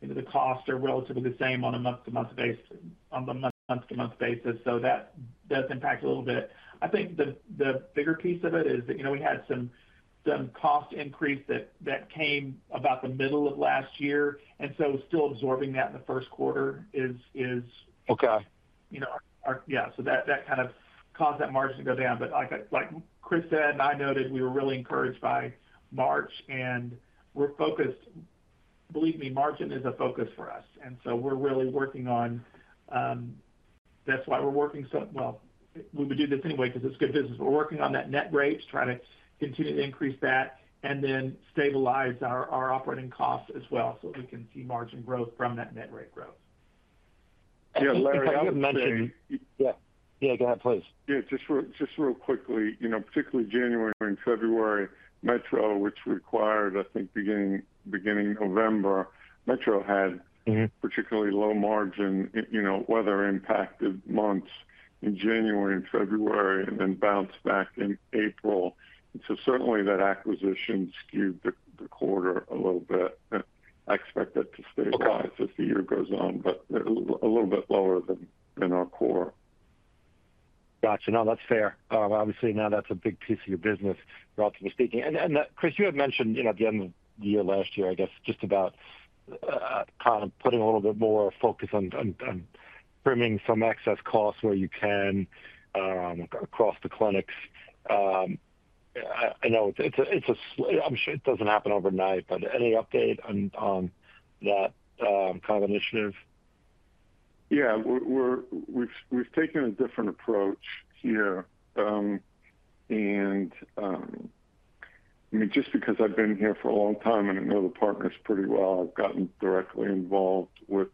the costs are relatively the same on a month-to-month basis, on the month-to-month basis. So that does impact a little bit. I think the bigger piece of it is that, you know, we had some cost increase that came about the middle of last year. Still absorbing that in the first quarter is, you know, Yeah, so that kind of caused that margin to go down. Like Chris said, and I noted, we were really encouraged by March, and we're focused, believe me, margin is a focus for us. We're really working on, that's why we're working, well, we would do this anyway because it's good business. We're working on that net rate, trying to continue to increase that, and then stabilize our operating costs as well so that we can see margin growth from that net rate growth. Yeah, Larry, I mentioned- Yeah, yeah, go ahead, please. Just real quickly, you know, particularly January and February, Metro, which required, I think, beginning November, Metro had particularly low margin, you know, weather-impacted months in January and February and then bounced back in April. Certainly that acquisition skewed the quarter a little bit. I expect that to stabilize as the year goes on, but a little bit lower than our core. Gotcha. No, that's fair. Obviously now that's a big piece of your business, relatively speaking. And Chris, you had mentioned, you know, at the end of the year last year, I guess, just about kind of putting a little bit more focus on trimming some excess costs where you can across the clinics. I know it's a, I'm sure it doesn't happen overnight, but any update on that kind of initiative? Yeah, we've taken a different approach here. I mean, just because I've been here for a long time and I know the partners pretty well, I've gotten directly involved with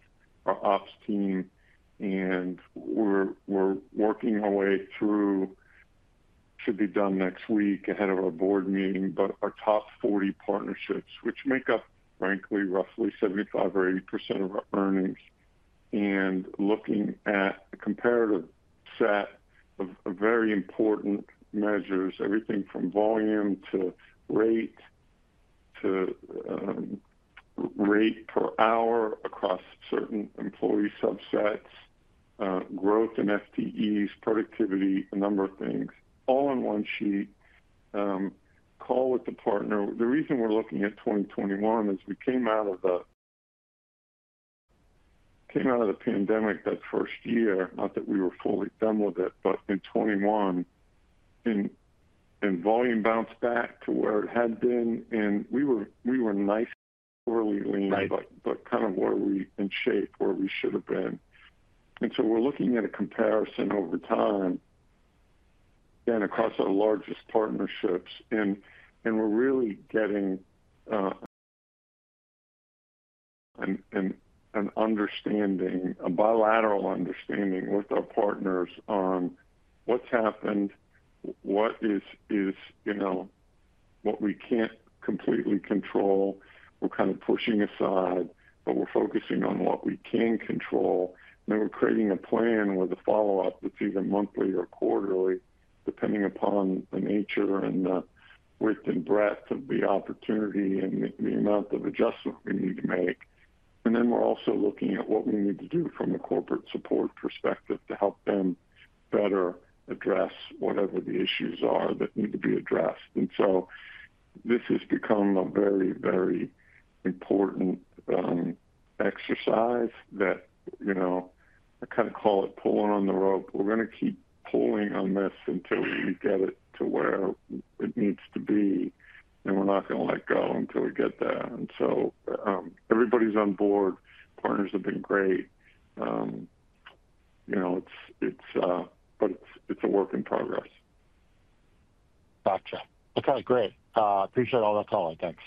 our ops team, and we're working our way through, should be done next week ahead of our board meeting, but our top 40 partnerships, which make up, frankly, roughly 75% or 80% of our earnings. Looking at a comparative set of very important measures, everything from volume to rate to rate per hour across certain employee subsets, growth in FTEs, productivity, a number of things, all in one sheet. Call with the partner. The reason we're looking at 2021 is we came out of the pandemic that first year, not that we were fully done with it, but in 2021, and volume bounced back to where it had been. We were nicely early lean, but kind of where we in shape, where we should have been. We are looking at a comparison over time then across our largest partnerships. We are really getting an understanding, a bilateral understanding with our partners on what's happened, what is, you know, what we can't completely control, we're kind of pushing aside, but we're focusing on what we can control. We are creating a plan with a follow-up that's either monthly or quarterly, depending upon the nature and the width and breadth of the opportunity and the amount of adjustment we need to make. We are also looking at what we need to do from a corporate support perspective to help them better address whatever the issues are that need to be addressed. This has become a very, very important exercise that, you know, I kind of call it pulling on the rope. We are going to keep pulling on this until we get it to where it needs to be. We are not going to let go until we get there. Everybody is on board. Partners have been great. You know, it is, but it is a work in progress. Gotcha. Okay, great. Appreciate all that color. Thanks.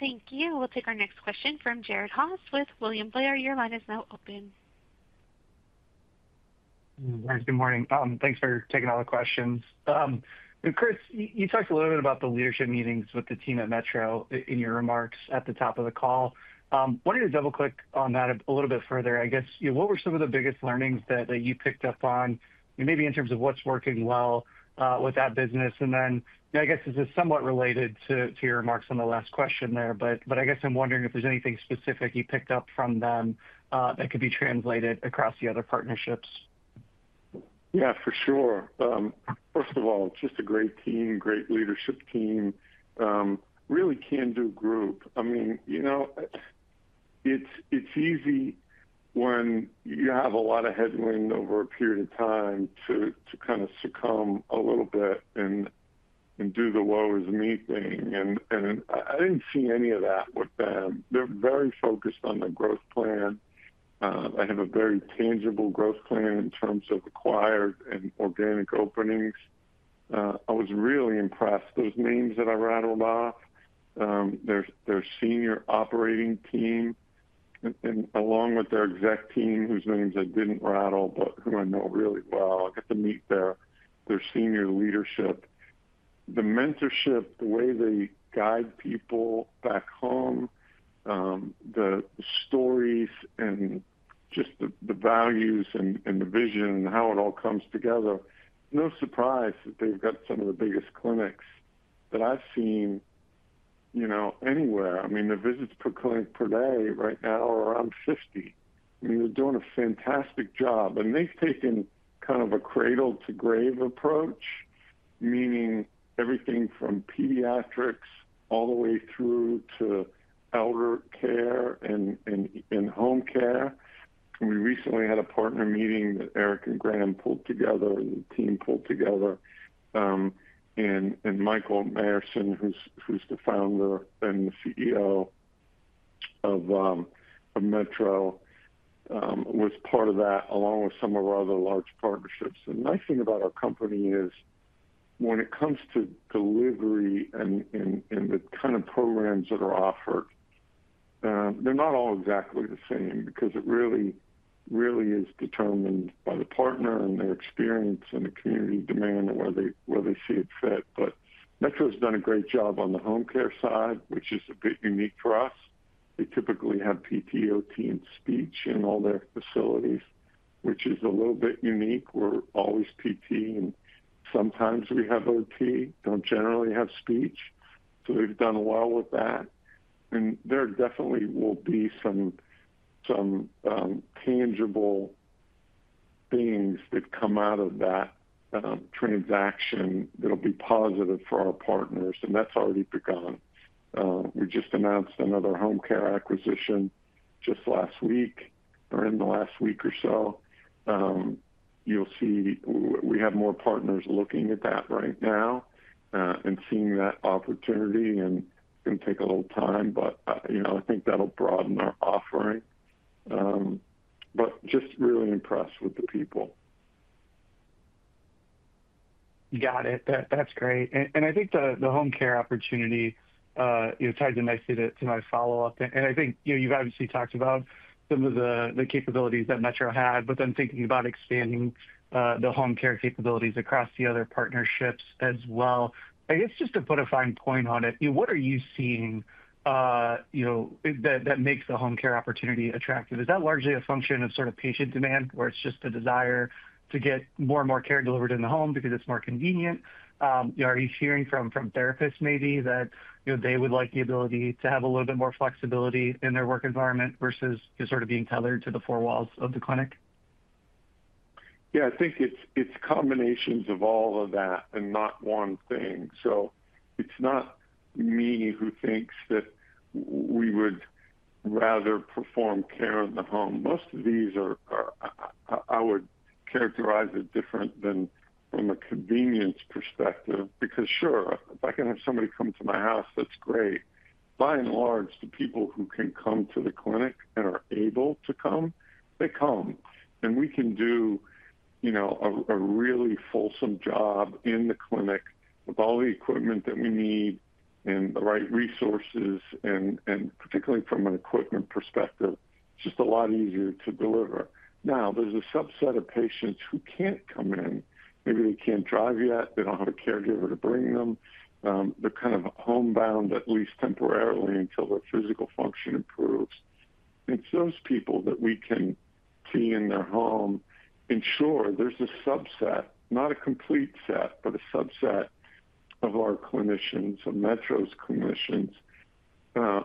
Thank you. We will take our next question from Jared Haase with William Blair. Your line is now open. Good morning. Thanks for taking all the questions. Chris, you talked a little bit about the leadership meetings with the team at Metro in your remarks at the top of the call. Wanted to double-click on that a little bit further. I guess, you know, what were some of the biggest learnings that you picked up on, maybe in terms of what's working well with that business? And then, you know, I guess this is somewhat related to your remarks on the last question there, but I guess I'm wondering if there's anything specific you picked up from them that could be translated across the other partnerships. Yeah, for sure. First of all, just a great team, great leadership team, really can-do group. I mean, you know, it's easy when you have a lot of headwind over a period of time to kind of succumb a little bit and do the woe is me thing. I didn't see any of that with them. They're very focused on the growth plan. They have a very tangible growth plan in terms of acquired and organic openings. I was really impressed. Those names that I rattled off, their senior operating team, and along with their exec team, whose names I did not rattle, but who I know really well, I got to meet their senior leadership. The mentorship, the way they guide people back home, the stories and just the values and the vision and how it all comes together, no surprise that they have got some of the biggest clinics that I have seen, you know, anywhere. I mean, the visits per clinic per day right now are around 50. I mean, they are doing a fantastic job. They have taken kind of a cradle to grave approach, meaning everything from pediatrics all the way through to elder care and home care. We recently had a partner meeting that Eric and Graham pulled together, the team pulled together. Michael Mayrsohn, who's the founder and the CEO of Metro, was part of that along with some of our other large partnerships. The nice thing about our company is when it comes to delivery and the kind of programs that are offered, they're not all exactly the same because it really, really is determined by the partner and their experience and the community demand and where they see it fit. Metro's done a great job on the home care side, which is a bit unique for us. They typically have PT/OT and speech in all their facilities, which is a little bit unique. We're always PT, and sometimes we have OT. Don't generally have speech. They've done well with that. There definitely will be some tangible things that come out of that transaction that'll be positive for our partners. That's already begun. We just announced another home care acquisition just last week or in the last week or so. You'll see we have more partners looking at that right now and seeing that opportunity. It's going to take a little time, but, you know, I think that'll broaden our offering. Just really impressed with the people. Got it. That's great. I think the home care opportunity tied nicely to my follow-up. I think, you know, you've obviously talked about some of the capabilities that Metro had, but then thinking about expanding the home care capabilities across the other partnerships as well. I guess just to put a fine point on it, you know, what are you seeing, you know, that makes the home care opportunity attractive? Is that largely a function of sort of patient demand or it's just the desire to get more and more care delivered in the home because it's more convenient? Are you hearing from therapists maybe that, you know, they would like the ability to have a little bit more flexibility in their work environment versus sort of being tethered to the four walls of the clinic? Yeah, I think it's combinations of all of that and not one thing. So it's not me who thinks that we would rather perform care in the home. Most of these are, I would characterize it different than from a convenience perspective because sure, if I can have somebody come to my house, that's great. By and large, the people who can come to the clinic and are able to come, they come. We can do, you know, a really fulsome job in the clinic with all the equipment that we need and the right resources, and particularly from an equipment perspective, it's just a lot easier to deliver. Now, there's a subset of patients who can't come in. Maybe they can't drive yet. They don't have a caregiver to bring them. They're kind of homebound, at least temporarily, until their physical function improves. It's those people that we can see in their home. Sure, there's a subset, not a complete set, but a subset of our clinicians, of Metro's clinicians,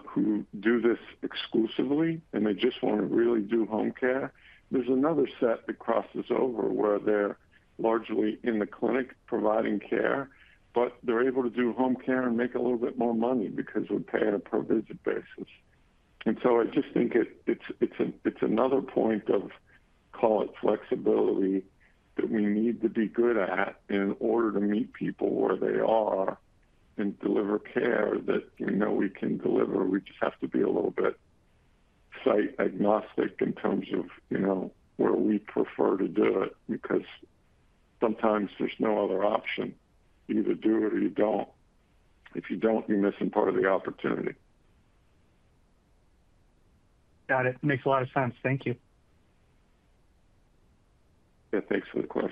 who do this exclusively and they just want to really do home care. There's another set that crosses over where they're largely in the clinic providing care, but they're able to do home care and make a little bit more money because we're paying a per-visit basis. I just think it's another point of, call it flexibility, that we need to be good at in order to meet people where they are and deliver care that we know we can deliver. We just have to be a little bit site-agnostic in terms of, you know, where we prefer to do it because sometimes there's no other option. You either do it or you don't. If you don't, you're missing part of the opportunity. Got it. Makes a lot of sense. Thank you. Yeah, thanks for the question.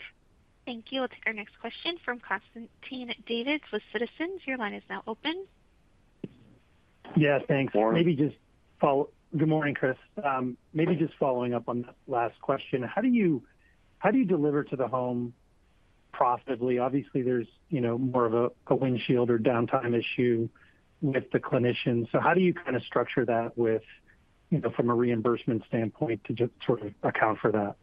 Thank you. We'll take our next question from Constantine Davides with Citizens. Your line is now open. Yeah, thanks. Maybe just follow, good morning, Chris. Maybe just following up on that last question. How do you deliver to the home profitably? Obviously, there's, you know, more of a windshield or downtime issue with the clinician. How do you kind of structure that with, you know, from a reimbursement standpoint to just sort of account for that?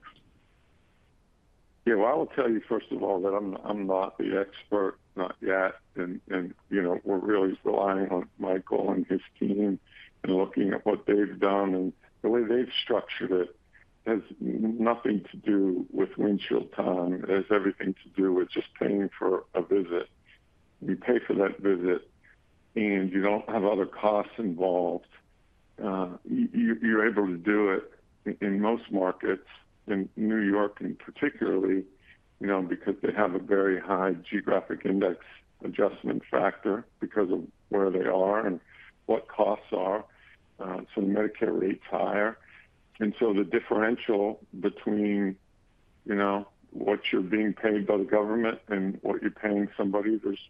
Yeah, I will tell you, first of all, that I'm not the expert, not yet. And, you know, we're really relying on Michael and his team and looking at what they've done. The way they've structured it has nothing to do with windshield time. It has everything to do with just paying for a visit. You pay for that visit, and you don't have other costs involved. You're able to do it in most markets, in New York in particular, you know, because they have a very high geographic index adjustment factor because of where they are and what costs are. The Medicare rate's higher. The differential between, you know, what you're being paid by the government and what you're paying somebody, there's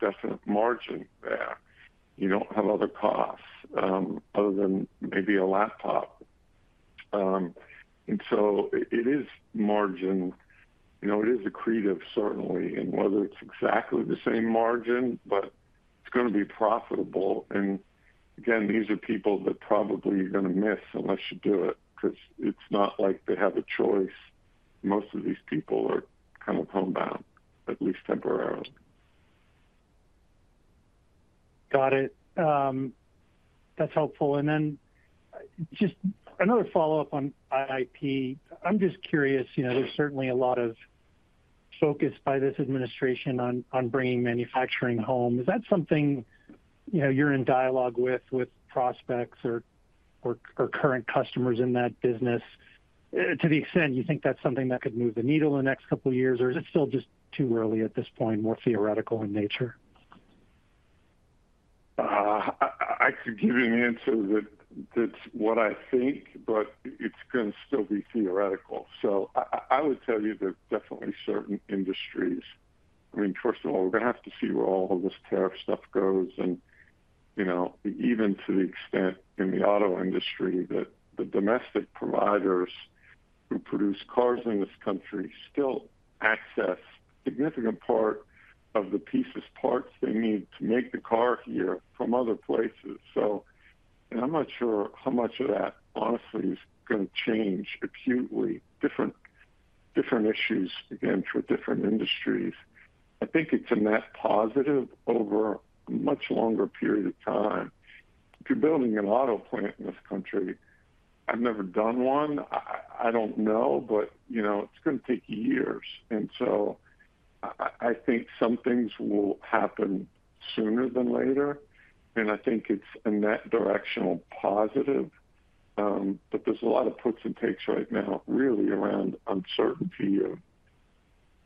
definite margin there. You don't have other costs other than maybe a laptop. It is margin. You know, it is accretive, certainly. Whether it's exactly the same margin, but it's going to be profitable. Again, these are people that probably you're going to miss unless you do it because it's not like they have a choice. Most of these people are kind of homebound, at least temporarily. Got it. That's helpful. Just another follow-up on IIP. I'm just curious, you know, there's certainly a lot of focus by this administration on bringing manufacturing home. Is that something, you know, you're in dialogue with, with prospects or current customers in that business to the extent you think that's something that could move the needle in the next couple of years, or is it still just too early at this point, more theoretical in nature? I could give you an answer that's what I think, but it's going to still be theoretical. I would tell you there's definitely certain industries. I mean, first of all, we're going to have to see where all this tariff stuff goes. You know, even to the extent in the auto industry that the domestic providers who produce cars in this country still access a significant part of the pieces, parts they need to make the car here from other places. I'm not sure how much of that, honestly, is going to change acutely. Different issues, again, for different industries. I think it's a net positive over a much longer period of time. If you're building an auto plant in this country, I've never done one. I don't know, but, you know, it's going to take years. I think some things will happen sooner than later. I think it's a net directional positive. There are a lot of puts and takes right now, really, around uncertainty of,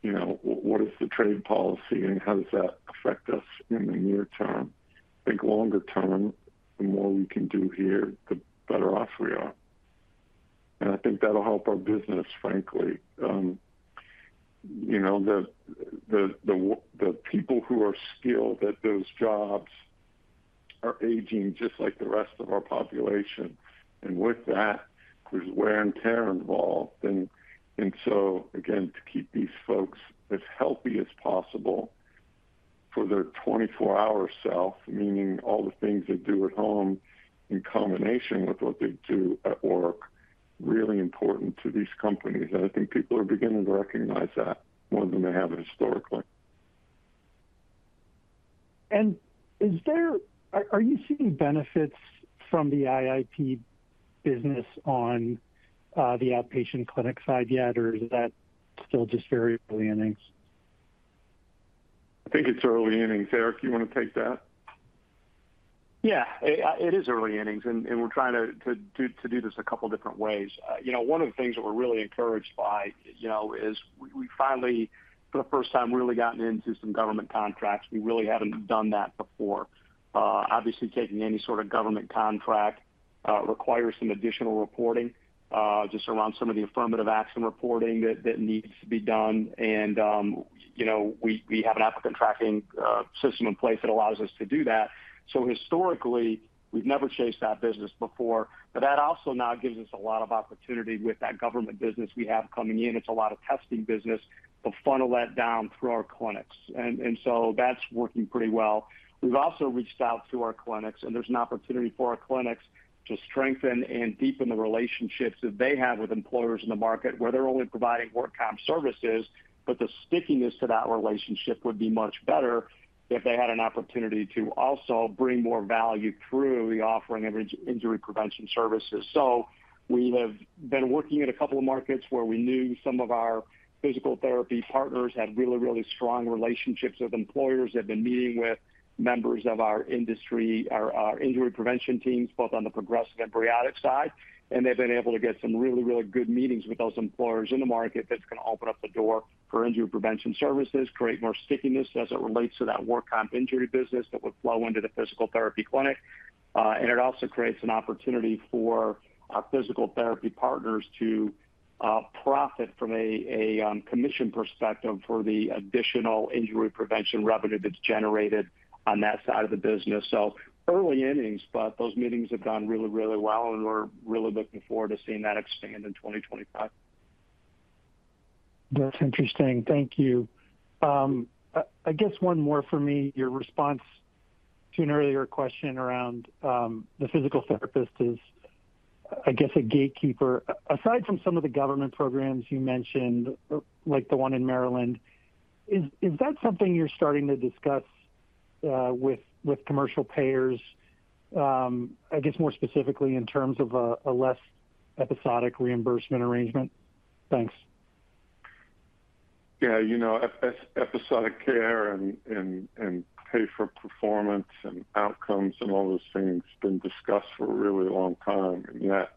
you know, what is the trade policy and how does that affect us in the near term. I think longer term, the more we can do here, the better off we are. I think that'll help our business, frankly. You know, the people who are skilled at those jobs are aging just like the rest of our population. With that, there's wear and tear involved. Again, to keep these folks as healthy as possible for their 24-hour self, meaning all the things they do at home in combination with what they do at work, is really important to these companies. I think people are beginning to recognize that more than they have historically. Is there, are you seeing benefits from the IIP business on the outpatient clinic side yet, or is that still just very early innings? I think it's early innings. Eric, you want to take that? Yeah, it is early innings. We're trying to do this a couple of different ways. You know, one of the things that we're really encouraged by, you know, is we finally, for the first time, really gotten into some government contracts. We really haven't done that before. Obviously, taking any sort of government contract requires some additional reporting just around some of the affirmative action reporting that needs to be done. You know, we have an applicant tracking system in place that allows us to do that. Historically, we've never chased that business before. That also now gives us a lot of opportunity with that government business we have coming in. It's a lot of testing business to funnel that down through our clinics. That is working pretty well. We've also reached out to our clinics, and there's an opportunity for our clinics to strengthen and deepen the relationships that they have with employers in the market where they're only providing work-time services, but the stickiness to that relationship would be much better if they had an opportunity to also bring more value through the offering of injury prevention services. We have been working in a couple of markets where we knew some of our physical therapy partners had really, really strong relationships with employers that have been meeting with members of our industry, our injury prevention teams, both on the progressive and bariatric side. They have been able to get some really, really good meetings with those employers in the market that is going to open up the door for injury prevention services, create more stickiness as it relates to that work-time injury business that would flow into the physical therapy clinic. It also creates an opportunity for our physical therapy partners to profit from a commission perspective for the additional injury prevention revenue that is generated on that side of the business. Early innings, but those meetings have gone really, really well, and we are really looking forward to seeing that expand in 2025. That is interesting. Thank you. I guess one more for me, your response to an earlier question around the physical therapist is, I guess, a gatekeeper. Aside from some of the government programs you mentioned, like the one in Maryland, is that something you're starting to discuss with commercial payers, I guess, more specifically in terms of a less episodic reimbursement arrangement? Thanks. Yeah, you know, episodic care and pay for performance and outcomes and all those things have been discussed for a really long time. Yet,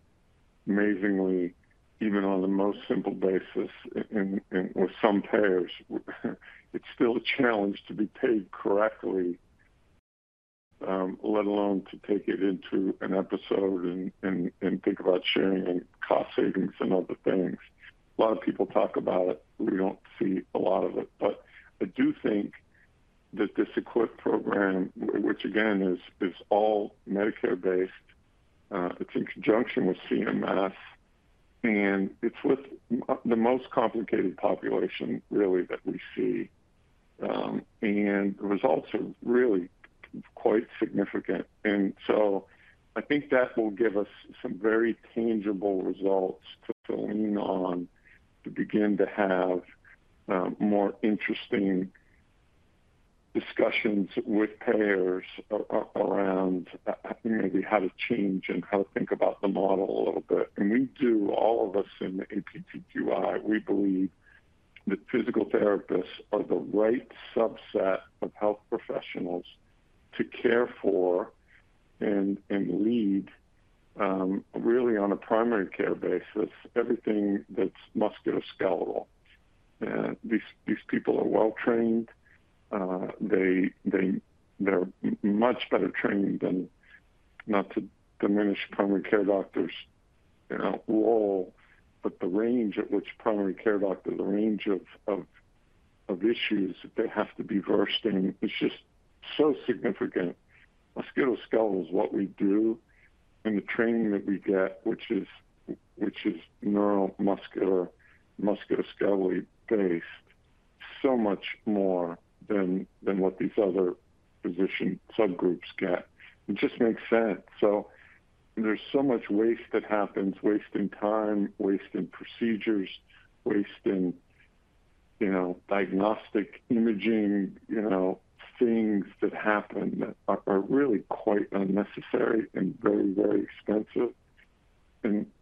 amazingly, even on the most simple basis, with some payers, it's still a challenge to be paid correctly, let alone to take it into an episode and think about sharing cost savings and other things. A lot of people talk about it. We don't see a lot of it. I do think that this EQIP program, which again is all Medicare-based, is in conjunction with CMS, and is with the most complicated population, really, that we see. The results are really quite significant. I think that will give us some very tangible results to lean on to begin to have more interesting discussions with payers around maybe how to change and how to think about the model a little bit. We do, all of us in the APTQI, believe that physical therapists are the right subset of health professionals to care for and lead really on a primary care basis, everything that is musculoskeletal. These people are well trained. They're much better trained than, not to diminish primary care doctors' role, but the range at which primary care doctors, the range of issues that they have to be versed in is just so significant. Musculoskeletal is what we do, and the training that we get, which is neuromuscular, musculoskeletally based, so much more than what these other physician subgroups get. It just makes sense. There's so much waste that happens, waste in time, waste in procedures, waste in, you know, diagnostic imaging, you know, things that happen that are really quite unnecessary and very, very expensive.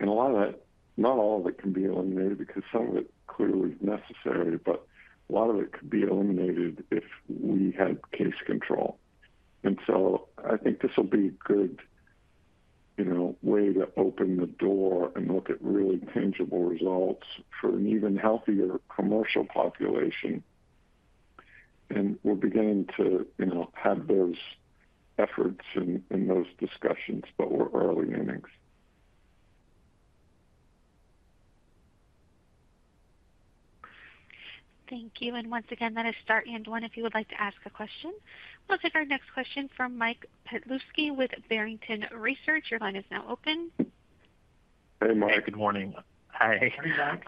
A lot of that, not all of it can be eliminated because some of it clearly is necessary, but a lot of it could be eliminated if we had case control. I think this will be a good, you know, way to open the door and look at really tangible results for an even healthier commercial population. And we're beginning to, you know, have those efforts in those discussions, but we're early innings. Thank you. And once again, that is star and one. If you would like to ask a question, we'll take our next question from Mike Petusky with Barrington Research. Your line is now open. Hey, Mike. Good morning. Hi.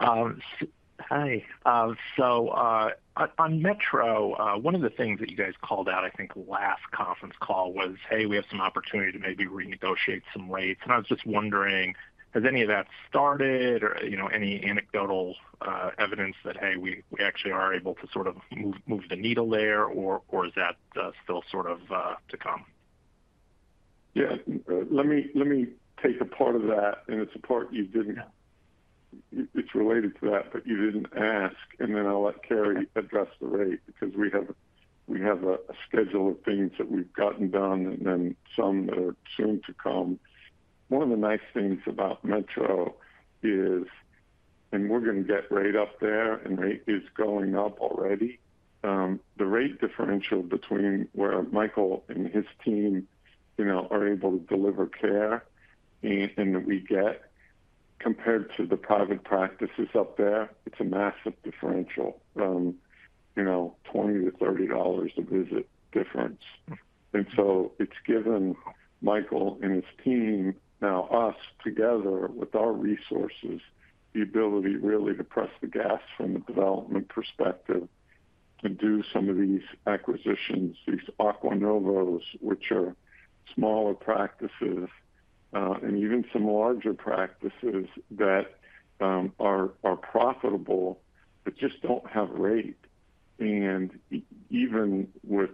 On Metro, one of the things that you guys called out, I think last conference call was, "Hey, we have some opportunity to maybe renegotiate some rates." I was just wondering, has any of that started or, you know, any anecdotal evidence that, "Hey, we actually are able to sort of move the needle there," or is that still sort of to come? Yeah, let me take a part of that, and it's a part you did not, it's related to that, but you did not ask, and then I'll let Carey address the rate because we have a schedule of things that we have gotten done and then some that are soon to come. One of the nice things about Metro is, and we are going to get rate up there, and rate is going up already. The rate differential between where Michael and his team, you know, are able to deliver care and that we get compared to the private practices up there, it is a massive differential, you know, $20-$30 a visit difference. It has given Michael and his team, now us together with our resources, the ability really to press the gas from the development perspective to do some of these acquisitions, these [aqua novos], which are smaller practices and even some larger practices that are profitable that just do not have rate. Even with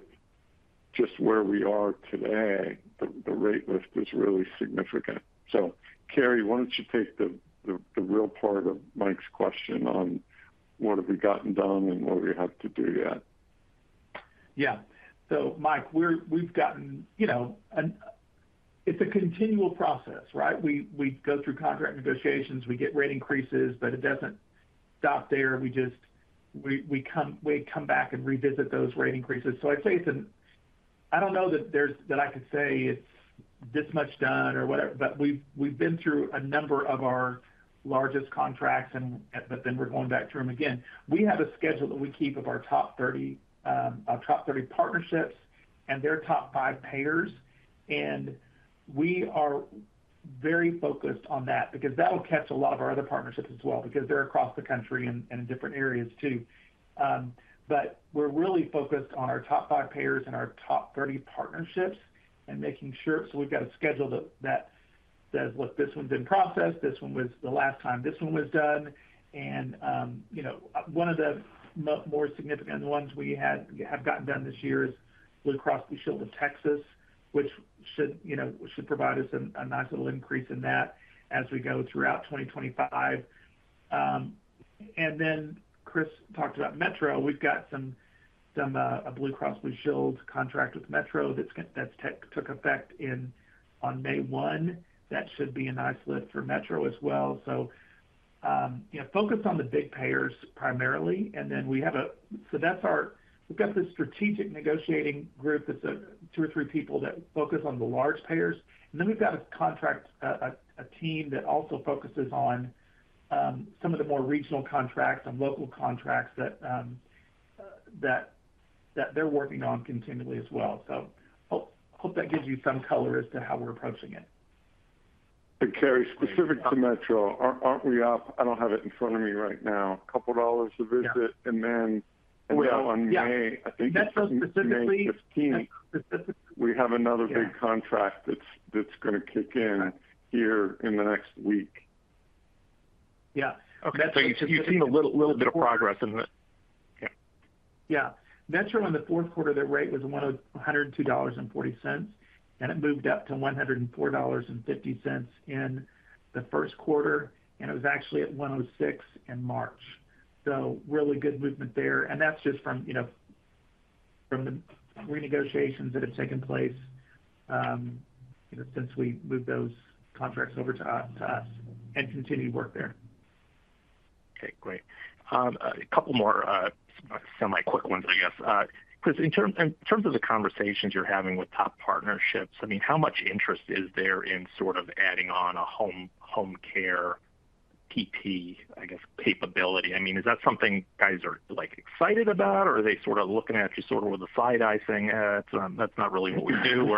just where we are today, the rate lift is really significant. So Carey, why do you not take the real part of Mike's question on what have we gotten done and what do we have to do yet? Yeah. Mike, we have gotten, you know, it is a continual process, right? We go through contract negotiations, we get rate increases, but it does not stop there. We just, we come back and revisit those rate increases. I would say it is an, I do not know that there is, that I could say it is this much done or whatever, but we have been through a number of our largest contracts, and then we are going back through them again. We have a schedule that we keep of our top 30, our top 30 partnerships and their top five payers. We are very focused on that because that will catch a lot of our other partnerships as well because they are across the country and in different areas too. We're really focused on our top five payers and our top 30 partnerships and making sure, so we've got a schedule that says what this one's in process, this one was the last time this one was done. You know, one of the more significant ones we have gotten done this year is Blue Cross Blue Shield of Texas, which should, you know, should provide us a nice little increase in that as we go throughout 2025. Chris talked about Metro. We've got some Blue Cross Blue Shield contract with Metro that took effect on May 1. That should be a nice lift for Metro as well. You know, focused on the big payers primarily. We have a, so that's our, we've got the strategic negotiating group. It's two or three people that focus on the large payers. And then we've got a contract, a team that also focuses on some of the more regional contracts and local contracts that they're working on continually as well. Hope that gives you some color as to how we're approaching it. And Carey, specific to Metro, aren't we up? I don't have it in front of me right now. A couple of dollars a visit. On May, I think it's May 15th, we have another big contract that's going to kick in here in the next week. Yeah. Okay. You've seen a little bit of progress in the, yeah. Yeah. Metro in the fourth quarter, their rate was $102.40, and it moved up to $104.50 in the first quarter, and it was actually at $106 in March. Really good movement there. That's just from, you know, from the renegotiations that have taken place since we moved those contracts over to us and continue to work there. Okay. Great. A couple more semi-quick ones, I guess. Chris, in terms of the conversations you're having with top partnerships, I mean, how much interest is there in sort of adding on a home care PT, I guess, capability? I mean, is that something guys are like excited about, or are they sort of looking at you sort of with a side-eye saying, "That's not really what we do"?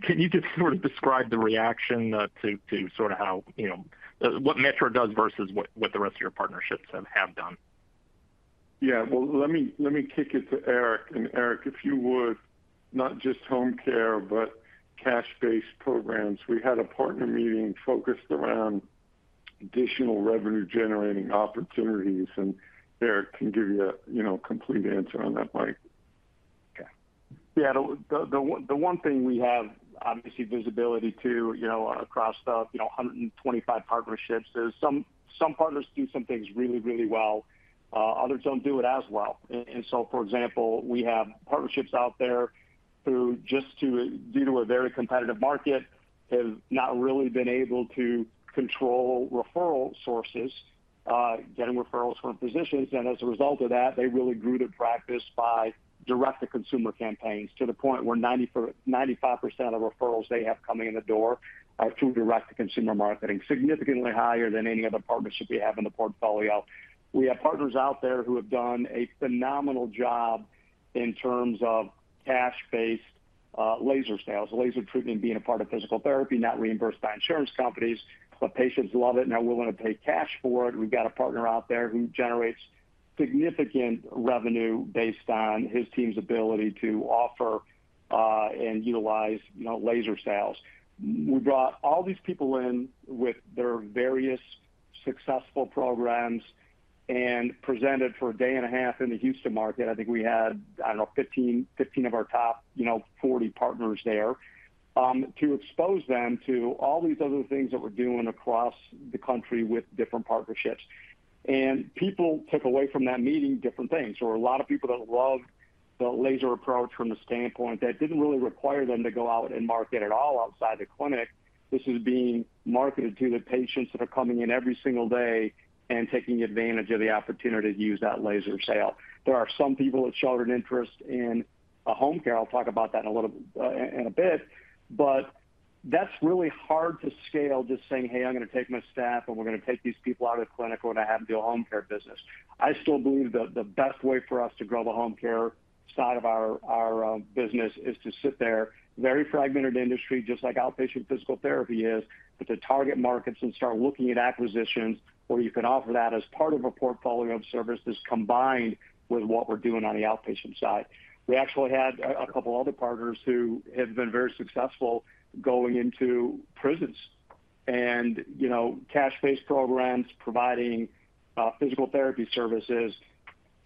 Can you just sort of describe the reaction to sort of how, you know, what Metro does versus what the rest of your partnerships have done? Yeah. Let me kick it to Eric. Eric, if you would, not just home care, but cash-based programs, we had a partner meeting focused around additional revenue-generating opportunities, and Eric can give you a, you know, complete answer on that, Mike. Okay. Yeah. The one thing we have obviously visibility to, you know, across the, you know, 125 partnerships is some partners do some things really, really well. Others do not do it as well. For example, we have partnerships out there who, due to a very competitive market, have not really been able to control referral sources, getting referrals from physicians. As a result of that, they really grew their practice by direct-to-consumer campaigns to the point where 95% of referrals they have coming in the door are through direct-to-consumer marketing, significantly higher than any other partnership we have in the portfolio. We have partners out there who have done a phenomenal job in terms of cash-based laser sales, laser treatment being a part of physical therapy, not reimbursed by insurance companies, but patients love it and are willing to pay cash for it. We've got a partner out there who generates significant revenue based on his team's ability to offer and utilize, you know, laser sales. We brought all these people in with their various successful programs and presented for a day and a half in the Houston market. I think we had, I don't know, 15 of our top, you know, 40 partners there to expose them to all these other things that we're doing across the country with different partnerships. People took away from that meeting different things. There were a lot of people that loved the laser approach from the standpoint that it didn't really require them to go out and market at all outside the clinic. This is being marketed to the patients that are coming in every single day and taking advantage of the opportunity to use that laser sale. There are some people that showed an interest in home care. I'll talk about that in a bit, but that's really hard to scale just saying, "Hey, I'm going to take my staff and we're going to take these people out of the clinic when I have to do a home care business." I still believe the best way for us to grow the home care side of our business is to sit there, very fragmented industry, just like outpatient physical therapy is, but to target markets and start looking at acquisitions where you can offer that as part of a portfolio of services combined with what we're doing on the outpatient side. We actually had a couple of other partners who have been very successful going into prisons and, you know, cash-based programs providing physical therapy services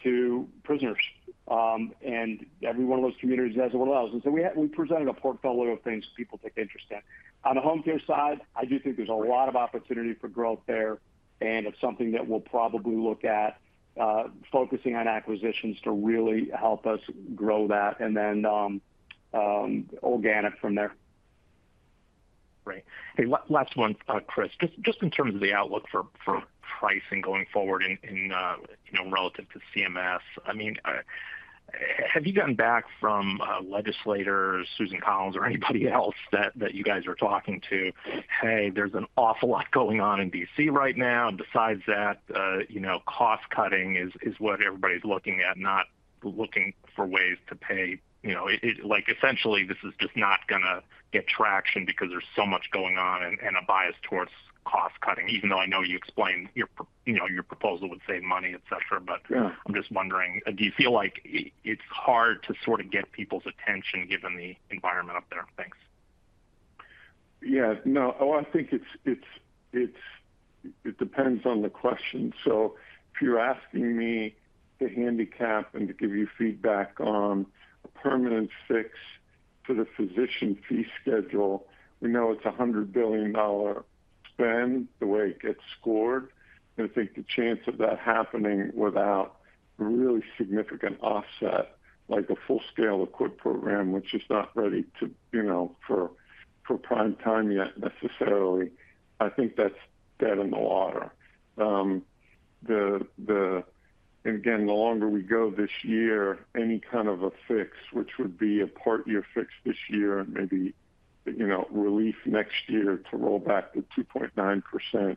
to prisoners. Every one of those communities has one of those. We presented a portfolio of things that people take interest in. On the home care side, I do think there's a lot of opportunity for growth there, and it's something that we'll probably look at focusing on acquisitions to really help us grow that and then organic from there. Great. Hey, last one, Chris, just in terms of the outlook for pricing going forward in, you know, relative to CMS. I mean, have you gotten back from legislators, Susan Collins, or anybody else that you guys are talking to, "Hey, there's an awful lot going on in D.C. right now," and besides that, you know, cost cutting is what everybody's looking at, not looking for ways to pay, you know, like essentially this is just not going to get traction because there's so much going on and a bias towards cost cutting, even though I know you explained your, you know, your proposal would save money, et cetera. I am just wondering, do you feel like it's hard to sort of get people's attention given the environment up there? Thanks. Yeah. No, I think it depends on the question. If you're asking me to handicap and to give you feedback on a permanent fix for the physician fee schedule, we know it's a $100 billion spend the way it gets scored. I think the chance of that happening without a really significant offset, like a full-scale EQIP program, which is not ready to, you know, for prime time yet necessarily, I think that's dead in the water. Again, the longer we go this year, any kind of a fix, which would be a part-year fix this year, maybe, you know, relief next year to roll back the 2.9%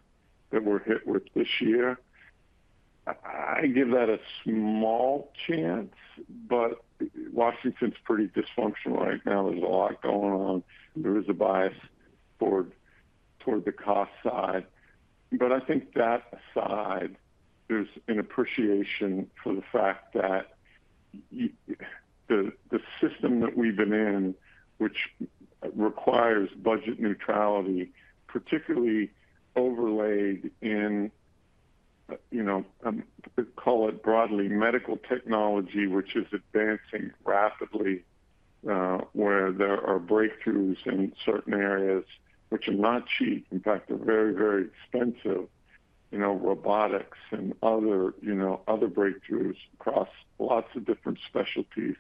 that we're hit with this year, I give that a small chance, but Washington's pretty dysfunctional right now. There's a lot going on. There is a bias toward the cost side. I think that aside, there's an appreciation for the fact that the system that we've been in, which requires budget neutrality, particularly overlaid in, you know, call it broadly medical technology, which is advancing rapidly, where there are breakthroughs in certain areas, which are not cheap. In fact, they're very, very expensive, you know, robotics and other, you know, other breakthroughs across lots of different specialties.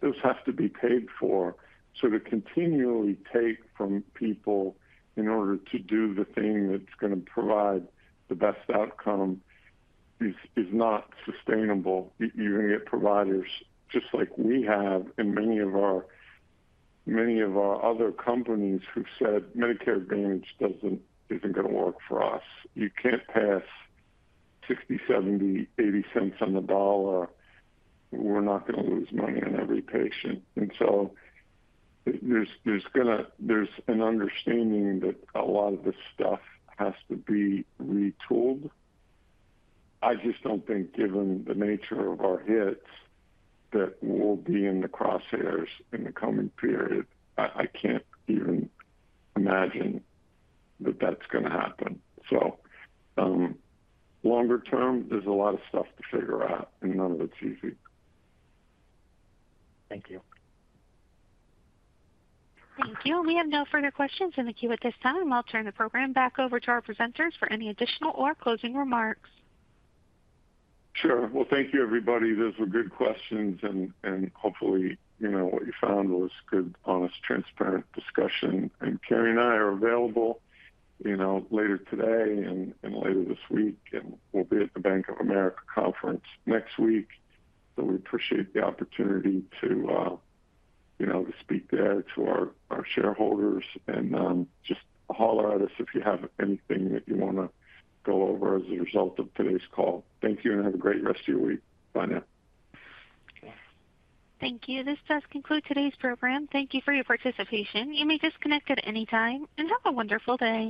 Those have to be paid for. To continually take from people in order to do the thing that's going to provide the best outcome is not sustainable. You're going to get providers just like we have and many of our other companies who said Medicare Advantage isn't going to work for us. You can't pass $0.60, $0.70, $0.80 on the dollar. We're not going to lose money on every patient. There is going to, there is an understanding that a lot of this stuff has to be retooled. I just do not think given the nature of our hits that we will be in the crosshairs in the coming period. I cannot even imagine that that is going to happen. Longer term, there is a lot of stuff to figure out, and none of it is easy. Thank you. Thank you. We have no further questions in the queue at this time. I will turn the program back over to our presenters for any additional or closing remarks. Sure. Thank you, everybody. Those were good questions. Hopefully, you know, what you found was good, honest, transparent discussion. Carey and I are available, you know, later today and later this week. We will be at the Bank of America Conference next week. We appreciate the opportunity to, you know, to speak there to our shareholders and just holler at us if you have anything that you want to go over as a result of today's call. Thank you and have a great rest of your week. Bye now. Thank you. This does conclude today's program. Thank you for your participation. You may disconnect at any time and have a wonderful day.